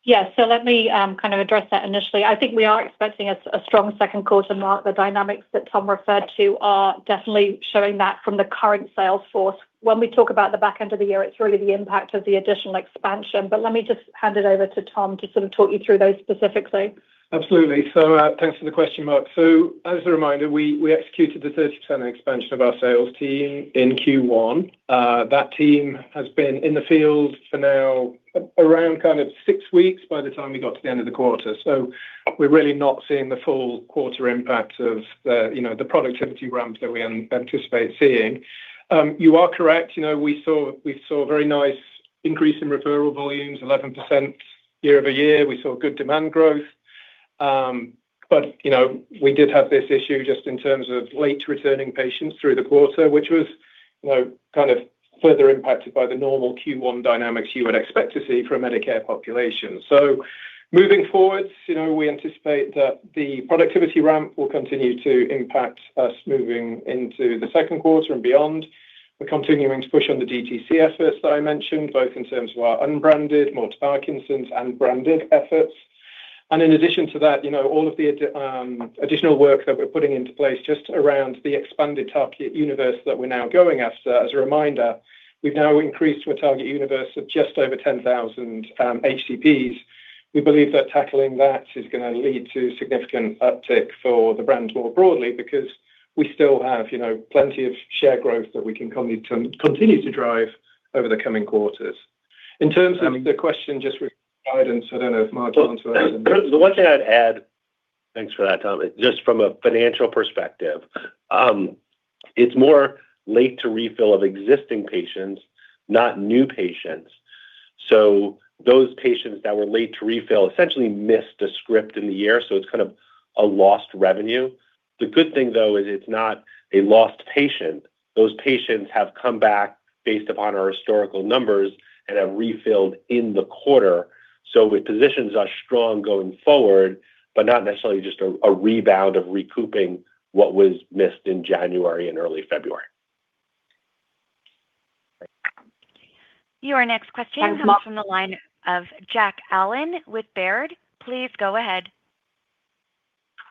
Yeah. Let me kind of address that initially. I think we are expecting a strong second quarter, Mark. The dynamics that Tom referred to are definitely showing that from the current sales force. When we talk about the back end of the year, it's really the impact of the additional expansion. Let me just hand it over to Tom to sort of talk you through those specifically. Absolutely. Thanks for the question, Mark. As a reminder, we executed the 30% expansion of our sales team in Q1. That team has been in the field for now around kind of 6 weeks by the time we got to the end of the quarter. We're really not seeing the full quarter impact of the, you know, the productivity ramps that we anticipate seeing. You are correct. You know, we saw a very nice increase in referral volumes, 11% year-over-year. You know, we did have this issue just in terms of late returning patients through the quarter, which was, you know, kind of further impacted by the normal Q1 dynamics you would expect to see for a Medicare population. Moving forward, you know, we anticipate that the productivity ramp will continue to impact us moving into the second quarter and beyond. We're continuing to push on the DTC efforts that I mentioned, both in terms of our unbranded, More to Parkinson's and branded efforts. In addition to that, you know, all of the additional work that we're putting into place just around the expanded target universe that we're now going after. As a reminder, we've now increased our target universe of just over 10,000 HCPs. We believe that tackling that is going to lead to significant uptick for the brand more broadly because we still have, you know, plenty of share growth that we can continue to drive over the coming quarters. In terms of the question just guidance, I don't know if Mark can answer that. The one thing I'd add. Thanks for that, Tom. Just from a financial perspective, it's more late to refill of existing patients, not new patients. Those patients that were late to refill essentially missed a script in the year, so it's kind of a lost revenue. The good thing though is it's not a lost patient. Those patients have come back based upon our historical numbers and have refilled in the quarter. It positions us strong going forward, but not necessarily just a rebound of recouping what was missed in January and early February. Your next question comes from the line of Jack Allen with Baird. Please go ahead.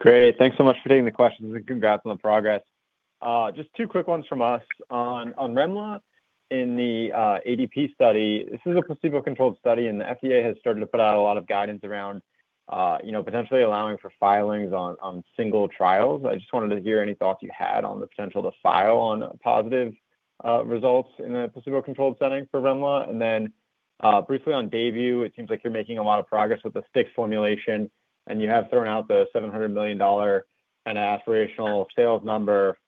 Great. Thanks so much for taking the questions, and congrats on the progress. Just two quick ones from us. On remlifanserin, in the ADP study, this is a placebo-controlled study. The FDA has started to put out a lot of guidance around, you know, potentially allowing for filings on single trials. I just wanted to hear any thoughts you had on the potential to file on positive results in a placebo-controlled setting for remlifanserin. Briefly on DAYBUE, it seems like you're making a lot of progress with the STIX formulation, and you have thrown out the $700 million aspirational sales number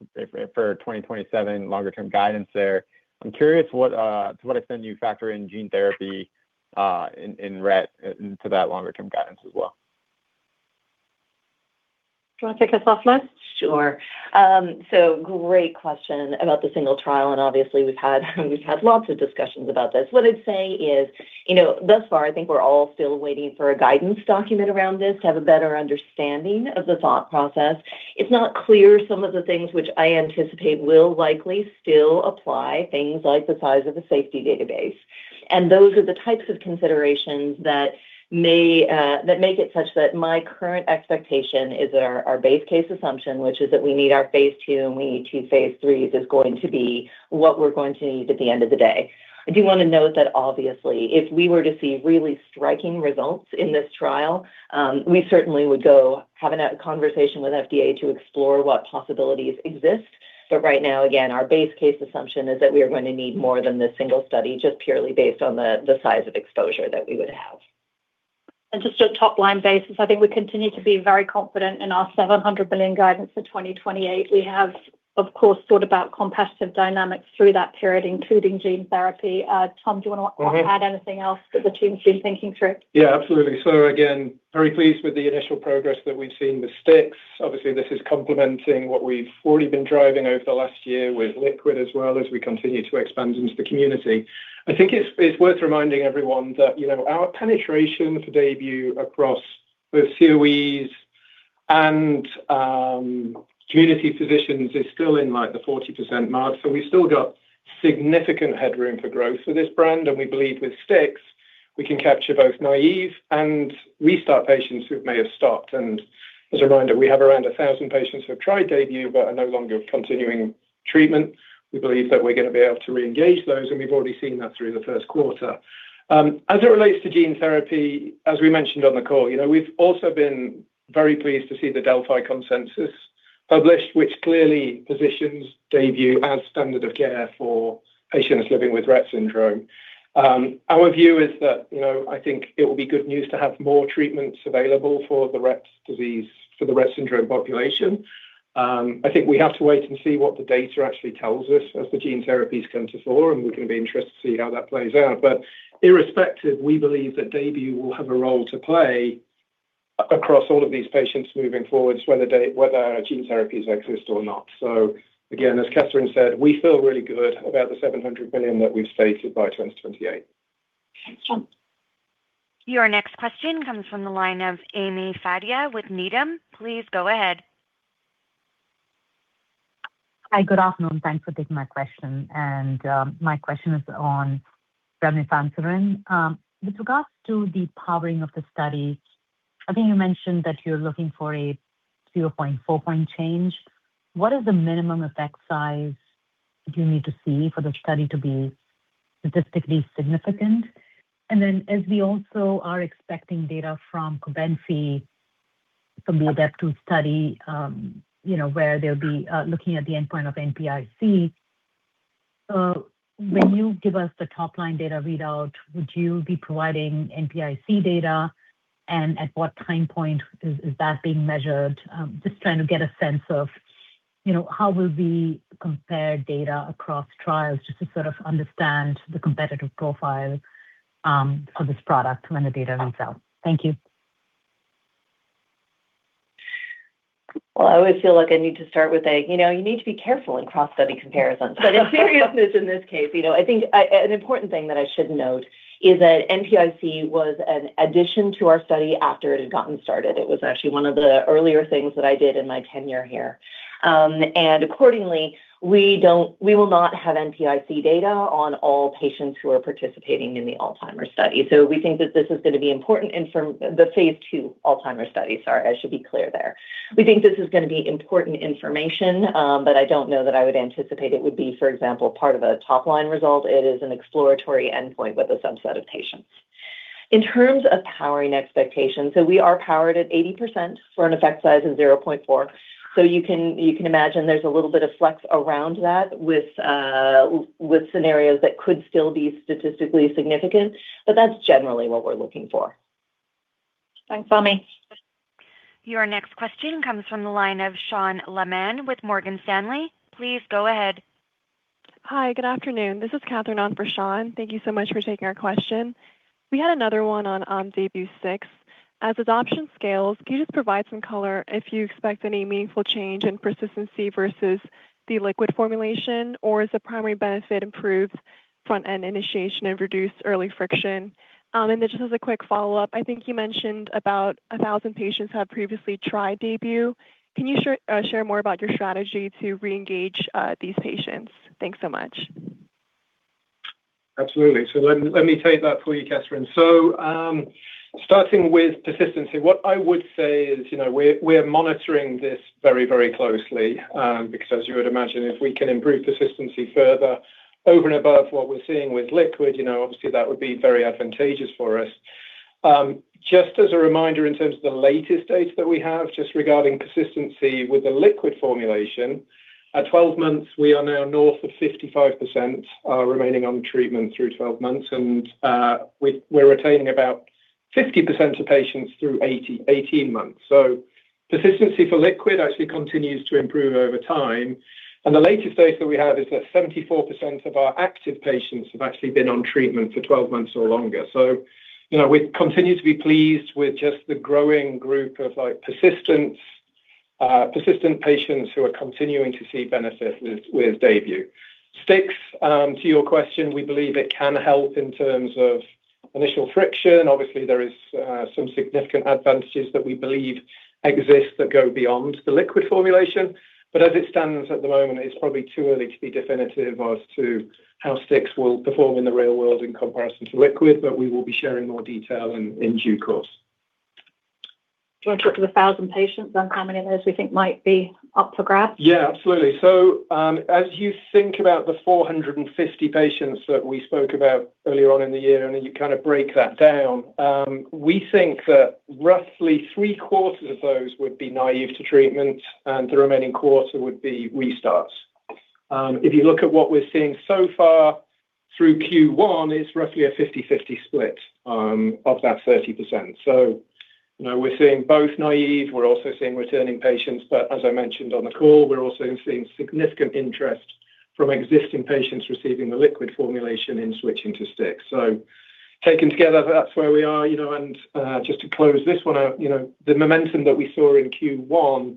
for 2027 longer term guidance there. I'm curious what, to what extent do you factor in gene therapy in Rett into that longer term guidance as well. Do you want to take this off, Liz? Sure. Great question about the single trial, and obviously we've had lots of discussions about this. What I'd say is, you know, thus far I think we're all still waiting for a guidance document around this to have a better understanding of the thought process. It's not clear some of the things which I anticipate will likely still apply, things like the size of the safety database. Those are the types of considerations that may make it such that my current expectation is our base case assumption, which is that we need our phase II and we need two phase IIIs, is going to be what we're going to need at the end of the day. I do want to note that obviously, if we were to see really striking results in this trial, we certainly would go have a conversation with FDA to explore what possibilities exist. Right now, again, our base case assumption is that we are going to need more than this single study just purely based on the size of exposure that we would have. Just a top-line basis, I think we continue to be very confident in our $700 million guidance for 2028. We have, of course, thought about competitive dynamics through that period, including gene therapy. Tom, do you want to add anything else that the team's been thinking through? Yeah, absolutely. Again, very pleased with the initial progress that we've seen with DAYBUE STIX. Obviously, this is complementing what we've already been driving over the last year with liquid as well as we continue to expand into the community. I think it's worth reminding everyone that, you know, our penetration for DAYBUE across both COEs and community physicians is still in like the 40% mark. We've still got significant headroom for growth for this brand. We believe with DAYBUE STIX, we can capture both naive and restart patients who may have stopped. As a reminder, we have around 1,000 patients who have tried DAYBUE but are no longer continuing treatment. We believe that we're going to be able to reengage those, and we've already seen that through the first quarter. As it relates to gene therapy, as we mentioned on the call, you know, we've also been very pleased to see the Delphi consensus published, which clearly positions DAYBUE as standard of care for patients living with Rett syndrome. Our view is that, you know, I think it will be good news to have more treatments available for the Rett syndrome population. I think we have to wait and see what the data actually tells us as the gene therapies come to fore, and we're going to be interested to see how that plays out. Irrespective, we believe that DAYBUE will have a role to play across all of these patients moving forwards, whether gene therapies exist or not. Again, as Catherine said, we feel really good about the $700 million that we've stated by 2028. Thanks, Tom. Your next question comes from the line of Ami Fadia with Needham & Company. Please go ahead. Hi. Good afternoon. Thanks for taking my question. My question is on remlifanserin. With regards to the powering of the study, I think you mentioned that you're looking for a 0.4-point change. What is the minimum effect size you need to see for the study to be statistically significant? As we also are expecting data from Cobenfy from the ADEPT study, you know, where they'll be looking at the endpoint of NPI-C. When you give us the top-line data readout, would you be providing NPI-C data? At what time point is that being measured? Just trying to get a sense of, you know, how will we compare data across trials just to sort of understand the competitive profile of this product when the data rolls out. Thank you. Well, I always feel like I need to start with a, you know, you need to be careful in cross-study comparisons. In seriousness in this case, you know, I think an important thing that I should note is that NPI-C was an addition to our study after it had gotten started. It was actually one of the earlier things that I did in my tenure here. Accordingly, we will not have NPI-C data on all patients who are participating in the Alzheimer's study. We think that this is gonna be important in the phase II Alzheimer's study, sorry, I should be clear there. We think this is gonna be important information, but I don't know that I would anticipate it would be, for example, part of a top-line result. It is an exploratory endpoint with a subset of patients. In terms of powering expectations, we are powered at 80% for an effect size of 0.4. You can imagine there's a little bit of flex around that with scenarios that could still be statistically significant, but that's generally what we're looking for. Thanks, Ami. Your next question comes from the line of Shawn Lemann with Morgan Stanley. Please go ahead. Hi, good afternoon. This is Catherine on for Shawn. Thank you so much for taking our question. We had another one on DAYBUE STIX. As adoption scales, can you just provide some color if you expect any meaningful change in persistency versus the liquid formulation, or does the primary benefit improve front-end initiation and reduce early friction? Then just as a quick follow-up, I think you mentioned about 1,000 patients have previously tried DAYBUE. Can you share more about your strategy to re-engage these patients? Thanks so much. Let me take that for you, Catherine. Starting with persistency, what I would say is, you know, we're monitoring this very, very closely, because as you would imagine, if we can improve persistency further over and above what we're seeing with liquid, you know, obviously that would be very advantageous for us. Just as a reminder, in terms of the latest data that we have just regarding persistency with the liquid formulation, at 12 months, we are now north of 55% remaining on treatment through 12 months. We're retaining about 50% of patients through 18 months. Persistency for liquid actually continues to improve over time. The latest data that we have is that 74% of our active patients have actually been on treatment for 12 months or longer. You know, we continue to be pleased with just the growing group of, like, persistent patients who are continuing to see benefit with DAYBUE STIX. To your question, we believe it can help in terms of initial friction. Obviously, there is some significant advantages that we believe exist that go beyond the liquid formulation. As it stands at the moment, it's probably too early to be definitive as to how STIX will perform in the real world in comparison to liquid, but we will be sharing more detail in due course. Do you want to talk to the 1,000 patients on how many of those we think might be up for grabs? Yeah, absolutely. As you think about the 450 patients that we spoke about earlier on in the year, you kind of break that down, we think that roughly three-quarters of those would be naive to treatment, the remaining quarter would be restarts. If you look at what we're seeing so far through Q1, it's roughly a 50/50 split of that 30%. You know, we're seeing both naive, we're also seeing returning patients, as I mentioned on the call, we're also seeing significant interest from existing patients receiving the liquid formulation in switching to STIX. Taken together, that's where we are, you know. Just to close this one out, you know, the momentum that we saw in Q1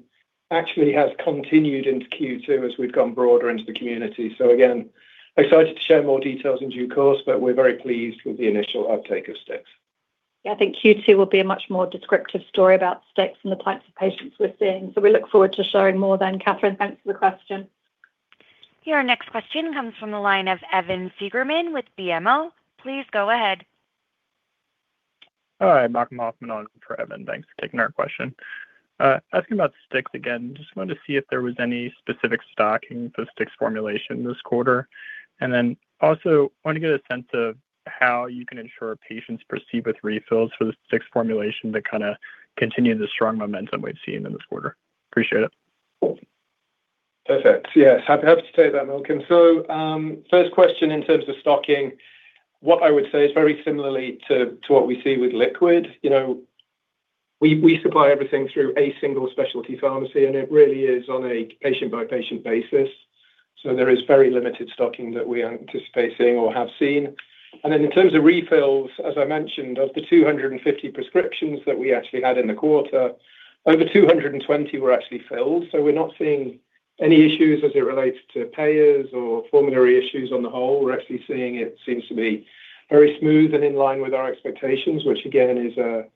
actually has continued into Q2 as we've gone broader into the community. Again, excited to share more details in due course, but we're very pleased with the initial uptake of STIX. Yeah, I think Q2 will be a much more descriptive story about STIX and the types of patients we're seeing. We look forward to sharing more then, Catherine. Thanks for the question. Your next question comes from the line of Evan Seigerman with BMO. Please go ahead. All right, Malcolm Hoffman on for Evan. Thanks for taking our question. Asking about STIX again, just wanted to see if there was any specific stocking for STIX formulation this quarter. Also want to get a sense of how you can ensure patients proceed with refills for the STIX formulation to kind of continue the strong momentum we've seen in this quarter. Appreciate it. Perfect. Yes, happy to take that, Malcolm. First question in terms of stocking, what I would say is very similarly to what we see with liquid. You know, we supply everything through a single specialty pharmacy, and it really is on a patient-by-patient basis. There is very limited stocking that we anticipate seeing or have seen. In terms of refills, as I mentioned, of the 250 prescriptions that we actually had in the quarter, over 220 were actually filled. We're not seeing any issues as it relates to payers or formulary issues on the whole. We're actually seeing it seems to be very smooth and in line with our expectations, which again is a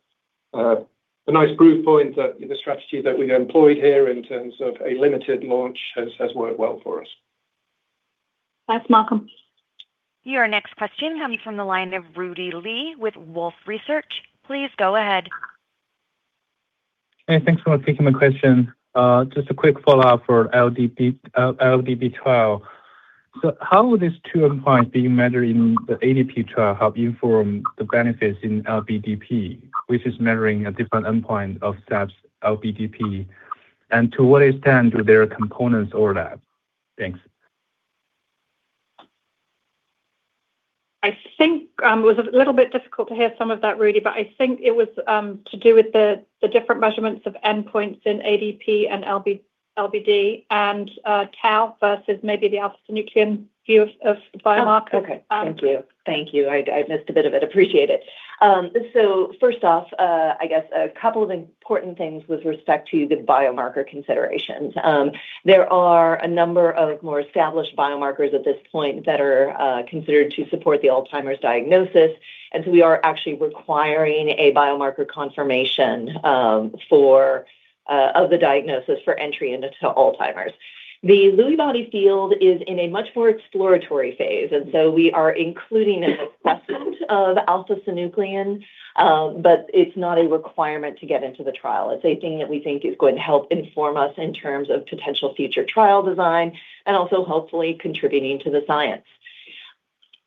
nice proof point that the strategy that we've employed here in terms of a limited launch has worked well for us. Thanks, Malcolm. Your next question comes from the line of Rudy Li with Wolfe Research. Please go ahead. Hey, thanks for taking my question. Just a quick follow-up for LBDP trial. How are these two endpoints being measured in the ADP trial help inform the benefits in LBDP, which is measuring a different endpoint of SAPS-LBDP? To what extent do their components overlap? Thanks. I think it was a little bit difficult to hear some of that, Rudy, but I think it was to do with the different measurements of endpoints in ADP and LBDP and tau versus maybe the alpha-synuclein view of biomarker Oh, okay. Thank you. Thank you. I missed a bit of it. Appreciate it. First off, I guess a couple of important things with respect to the biomarker considerations. There are a number of more established biomarkers at this point that are considered to support the Alzheimer's diagnosis, and so we are actually requiring a biomarker confirmation for of the diagnosis for entry into Alzheimer's. The Lewy body field is in a much more exploratory phase, and so we are including an assessment of alpha-synuclein, but it's not a requirement to get into the trial. It's a thing that we think is going to help inform us in terms of potential future trial design and also hopefully contributing to the science.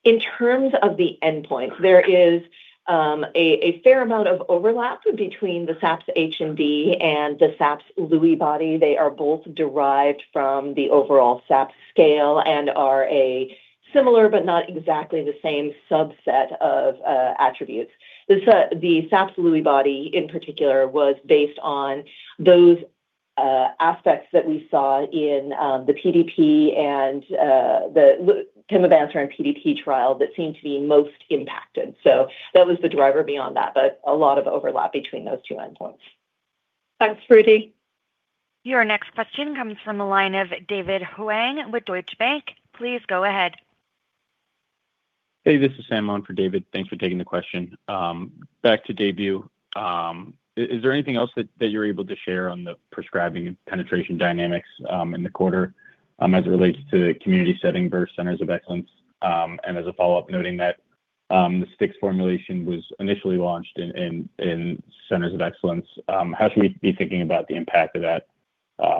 In terms of the endpoint, there is a fair amount of overlap between the SAPS-H&D and the SAPS-LBDP. They are both derived from the overall SAPS scale and are a similar but not exactly the same subset of attributes. The SAPS-LBDP in particular was based on those aspects that we saw in the PDP and the pimavanserin PDP trial that seemed to be most impacted. That was the driver beyond that, but a lot of overlap between those two endpoints. Thanks, Rudy. Your next question comes from the line of David Huang with Deutsche Bank. Please go ahead. Hey, this is Sam on for David. Thanks for taking the question. Back to DAYBUE. Is there anything else that you're able to share on the prescribing penetration dynamics in the quarter as it relates to community setting versus centers of excellence? As a follow-up, noting that the DAYBUE STIX formulation was initially launched in centers of excellence, how should we be thinking about the impact of that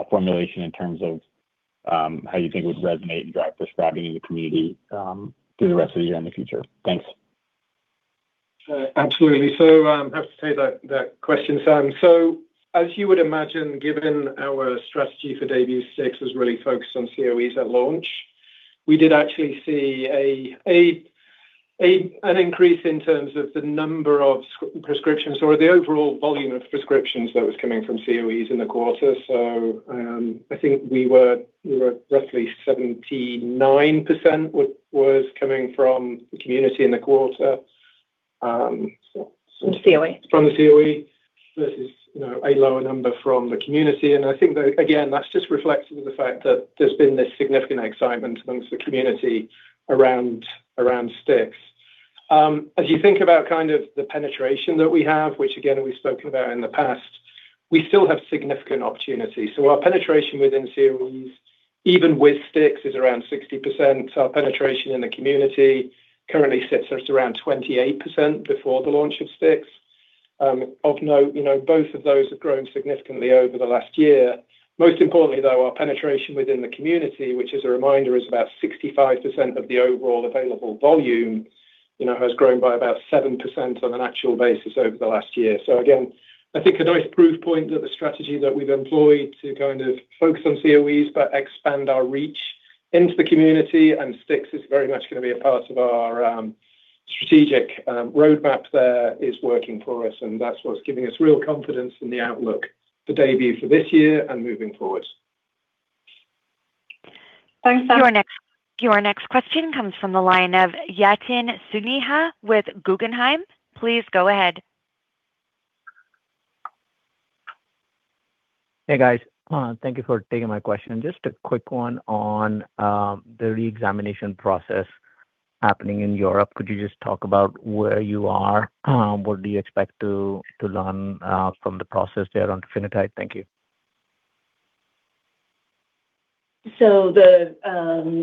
formulation in terms of how you think it would resonate and drive prescribing in the community through the rest of the year and the future? Thanks. Absolutely. Happy to take that question, Sam. As you would imagine, given our strategy for DAYBUE STIX was really focused on COEs at launch, we did actually see an increase in terms of the number of prescriptions or the overall volume of prescriptions that was coming from COEs in the quarter. I think we were roughly 79% was coming from the community in the quarter. From the COE. from the COE versus, you know, a lower number from the community. I think that, again, that's just reflective of the fact that there's been this significant excitement amongst the community around STIX. As you think about kind of the penetration that we have, which again we've spoken about in the past, we still have significant opportunity. Our penetration within COEs, even with STIX, is around 60%. Our penetration in the community currently sits at around 28% before the launch of STIX. Of note, you know, both of those have grown significantly over the last year. Most importantly, though, our penetration within the community, which as a reminder is about 65% of the overall available volume, you know, has grown by about 7% on an actual basis over the last year. Again, I think a nice proof point that the strategy that we've employed to kind of focus on COEs but expand our reach into the community, and Stix is very much gonna be a part of our strategic roadmap there, is working for us, and that's what's giving us real confidence in the outlook for DAYBUE for this year and moving forward. Thanks, Sam. Your next question comes from the line of Yatin Suneja with Guggenheim. Please go ahead. Hey, guys. Thank you for taking my question. Just a quick one on the reexamination process happening in Europe. Could you just talk about where you are? What do you expect to learn from the process there on trofinetide? Thank you. The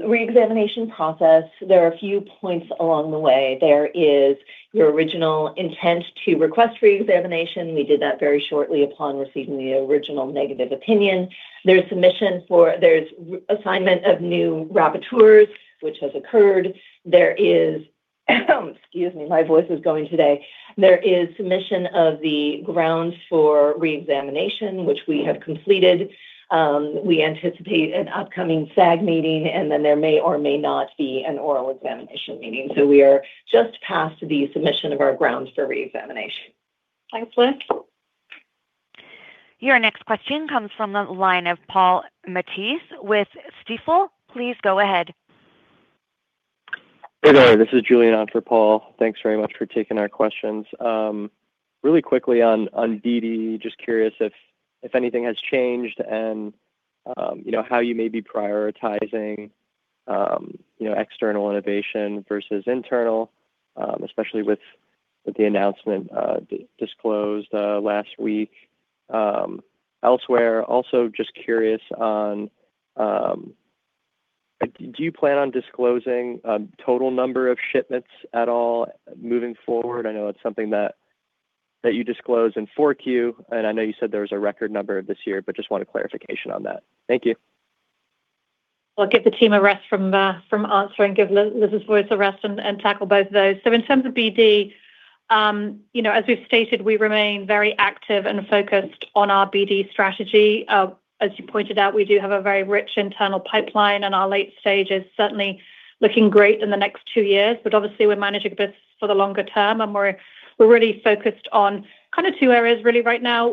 reexamination process, there are a few points along the way. There is your original intent to request reexamination. We did that very shortly upon receiving the original negative opinion. There's assignment of new rapporteurs, which has occurred. There is Excuse me. My voice is going today. There is submission of the grounds for reexamination, which we have completed. We anticipate an upcoming SAG meeting, and then there may or may not be an oral examination meeting. We are just past the submission of our grounds for reexamination. Thanks, Liz. Your next question comes from the line of Paul Matteis with Stifel. Please go ahead. Hey there. This is Julian on for Paul. Thanks very much for taking our questions. Really quickly on BD, just curious if anything has changed and you know how you may be prioritizing you know external innovation versus internal especially with the announcement disclosed last week elsewhere. Also, just curious on do you plan on disclosing total number of shipments at all moving forward? I know it's something that you disclose in 4Q, and I know you said there was a record number this year, but just wanted clarification on that. Thank you. I'll give the team a rest from answering. Give Liz's voice a rest and tackle both of those. In terms of BD, you know, as we've stated, we remain very active and focused on our BD strategy. As you pointed out, we do have a very rich internal pipeline, and our late stage is certainly looking great in the next two years. Obviously we're managing this for the longer term, and we're really focused on kind of two areas really right now.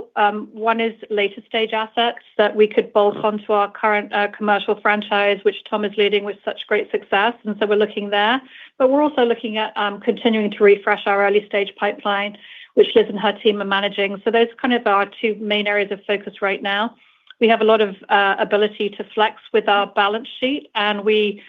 One is later stage assets that we could bolt onto our current commercial franchise, which Thomas Garner is leading with such great success, we're looking there. We're also looking at continuing to refresh our early-stage pipeline, which Liz and her team are managing. Those kind of are our two main areas of focus right now. We have a lot of ability to flex with our balance sheet, and we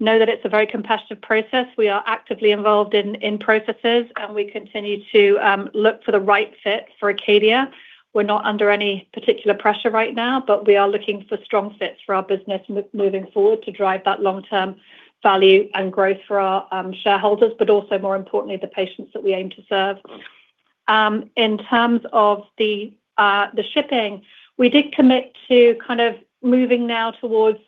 know that it's a very competitive process. We are actively involved in processes, and we continue to look for the right fit for ACADIA. We're not under any particular pressure right now, but we are looking for strong fits for our business moving forward to drive that long-term value and growth for our shareholders, but also, more importantly, the patients that we aim to serve. In terms of the shipping, we did commit to kind of moving now towards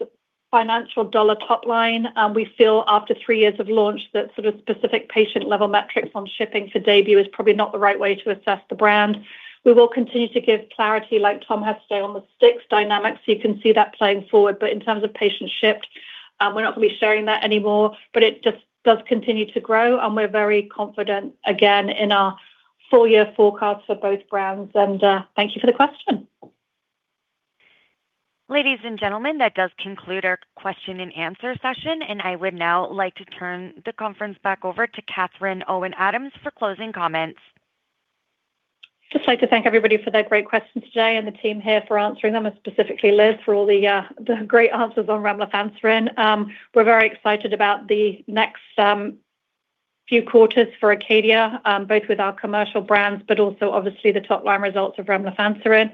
financial dollar top line. We feel after three years of launch that sort of specific patient-level metrics on shipping for DAYBUE is probably not the right way to assess the brand. We will continue to give clarity, like Tom Garner has today, on the DAYBUE STIX dynamics. You can see that playing forward. In terms of patients shipped, we're not gonna be sharing that anymore, but it just does continue to grow, and we're very confident again in our full-year forecast for both brands. Thank you for the question. Ladies and gentlemen, that does conclude our Question-and-Answer session. I would now like to turn the conference back over to Catherine Owen Adams for closing comments. Just like to thank everybody for their great questions today and the team here for answering them and specifically Elizabeth for all the great answers on remlifanserin. We're very excited about the next few quarters for ACADIA, both with our commercial brands, but also, obviously, the top-line results of remlifanserin.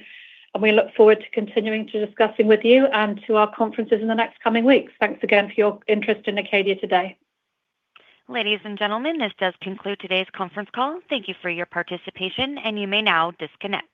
We look forward to continuing to discussing with you and to our conferences in the next coming weeks. Thanks again for your interest in ACADIA today. Ladies and gentlemen, this does conclude today's conference call. Thank you for your participation, and you may now disconnect.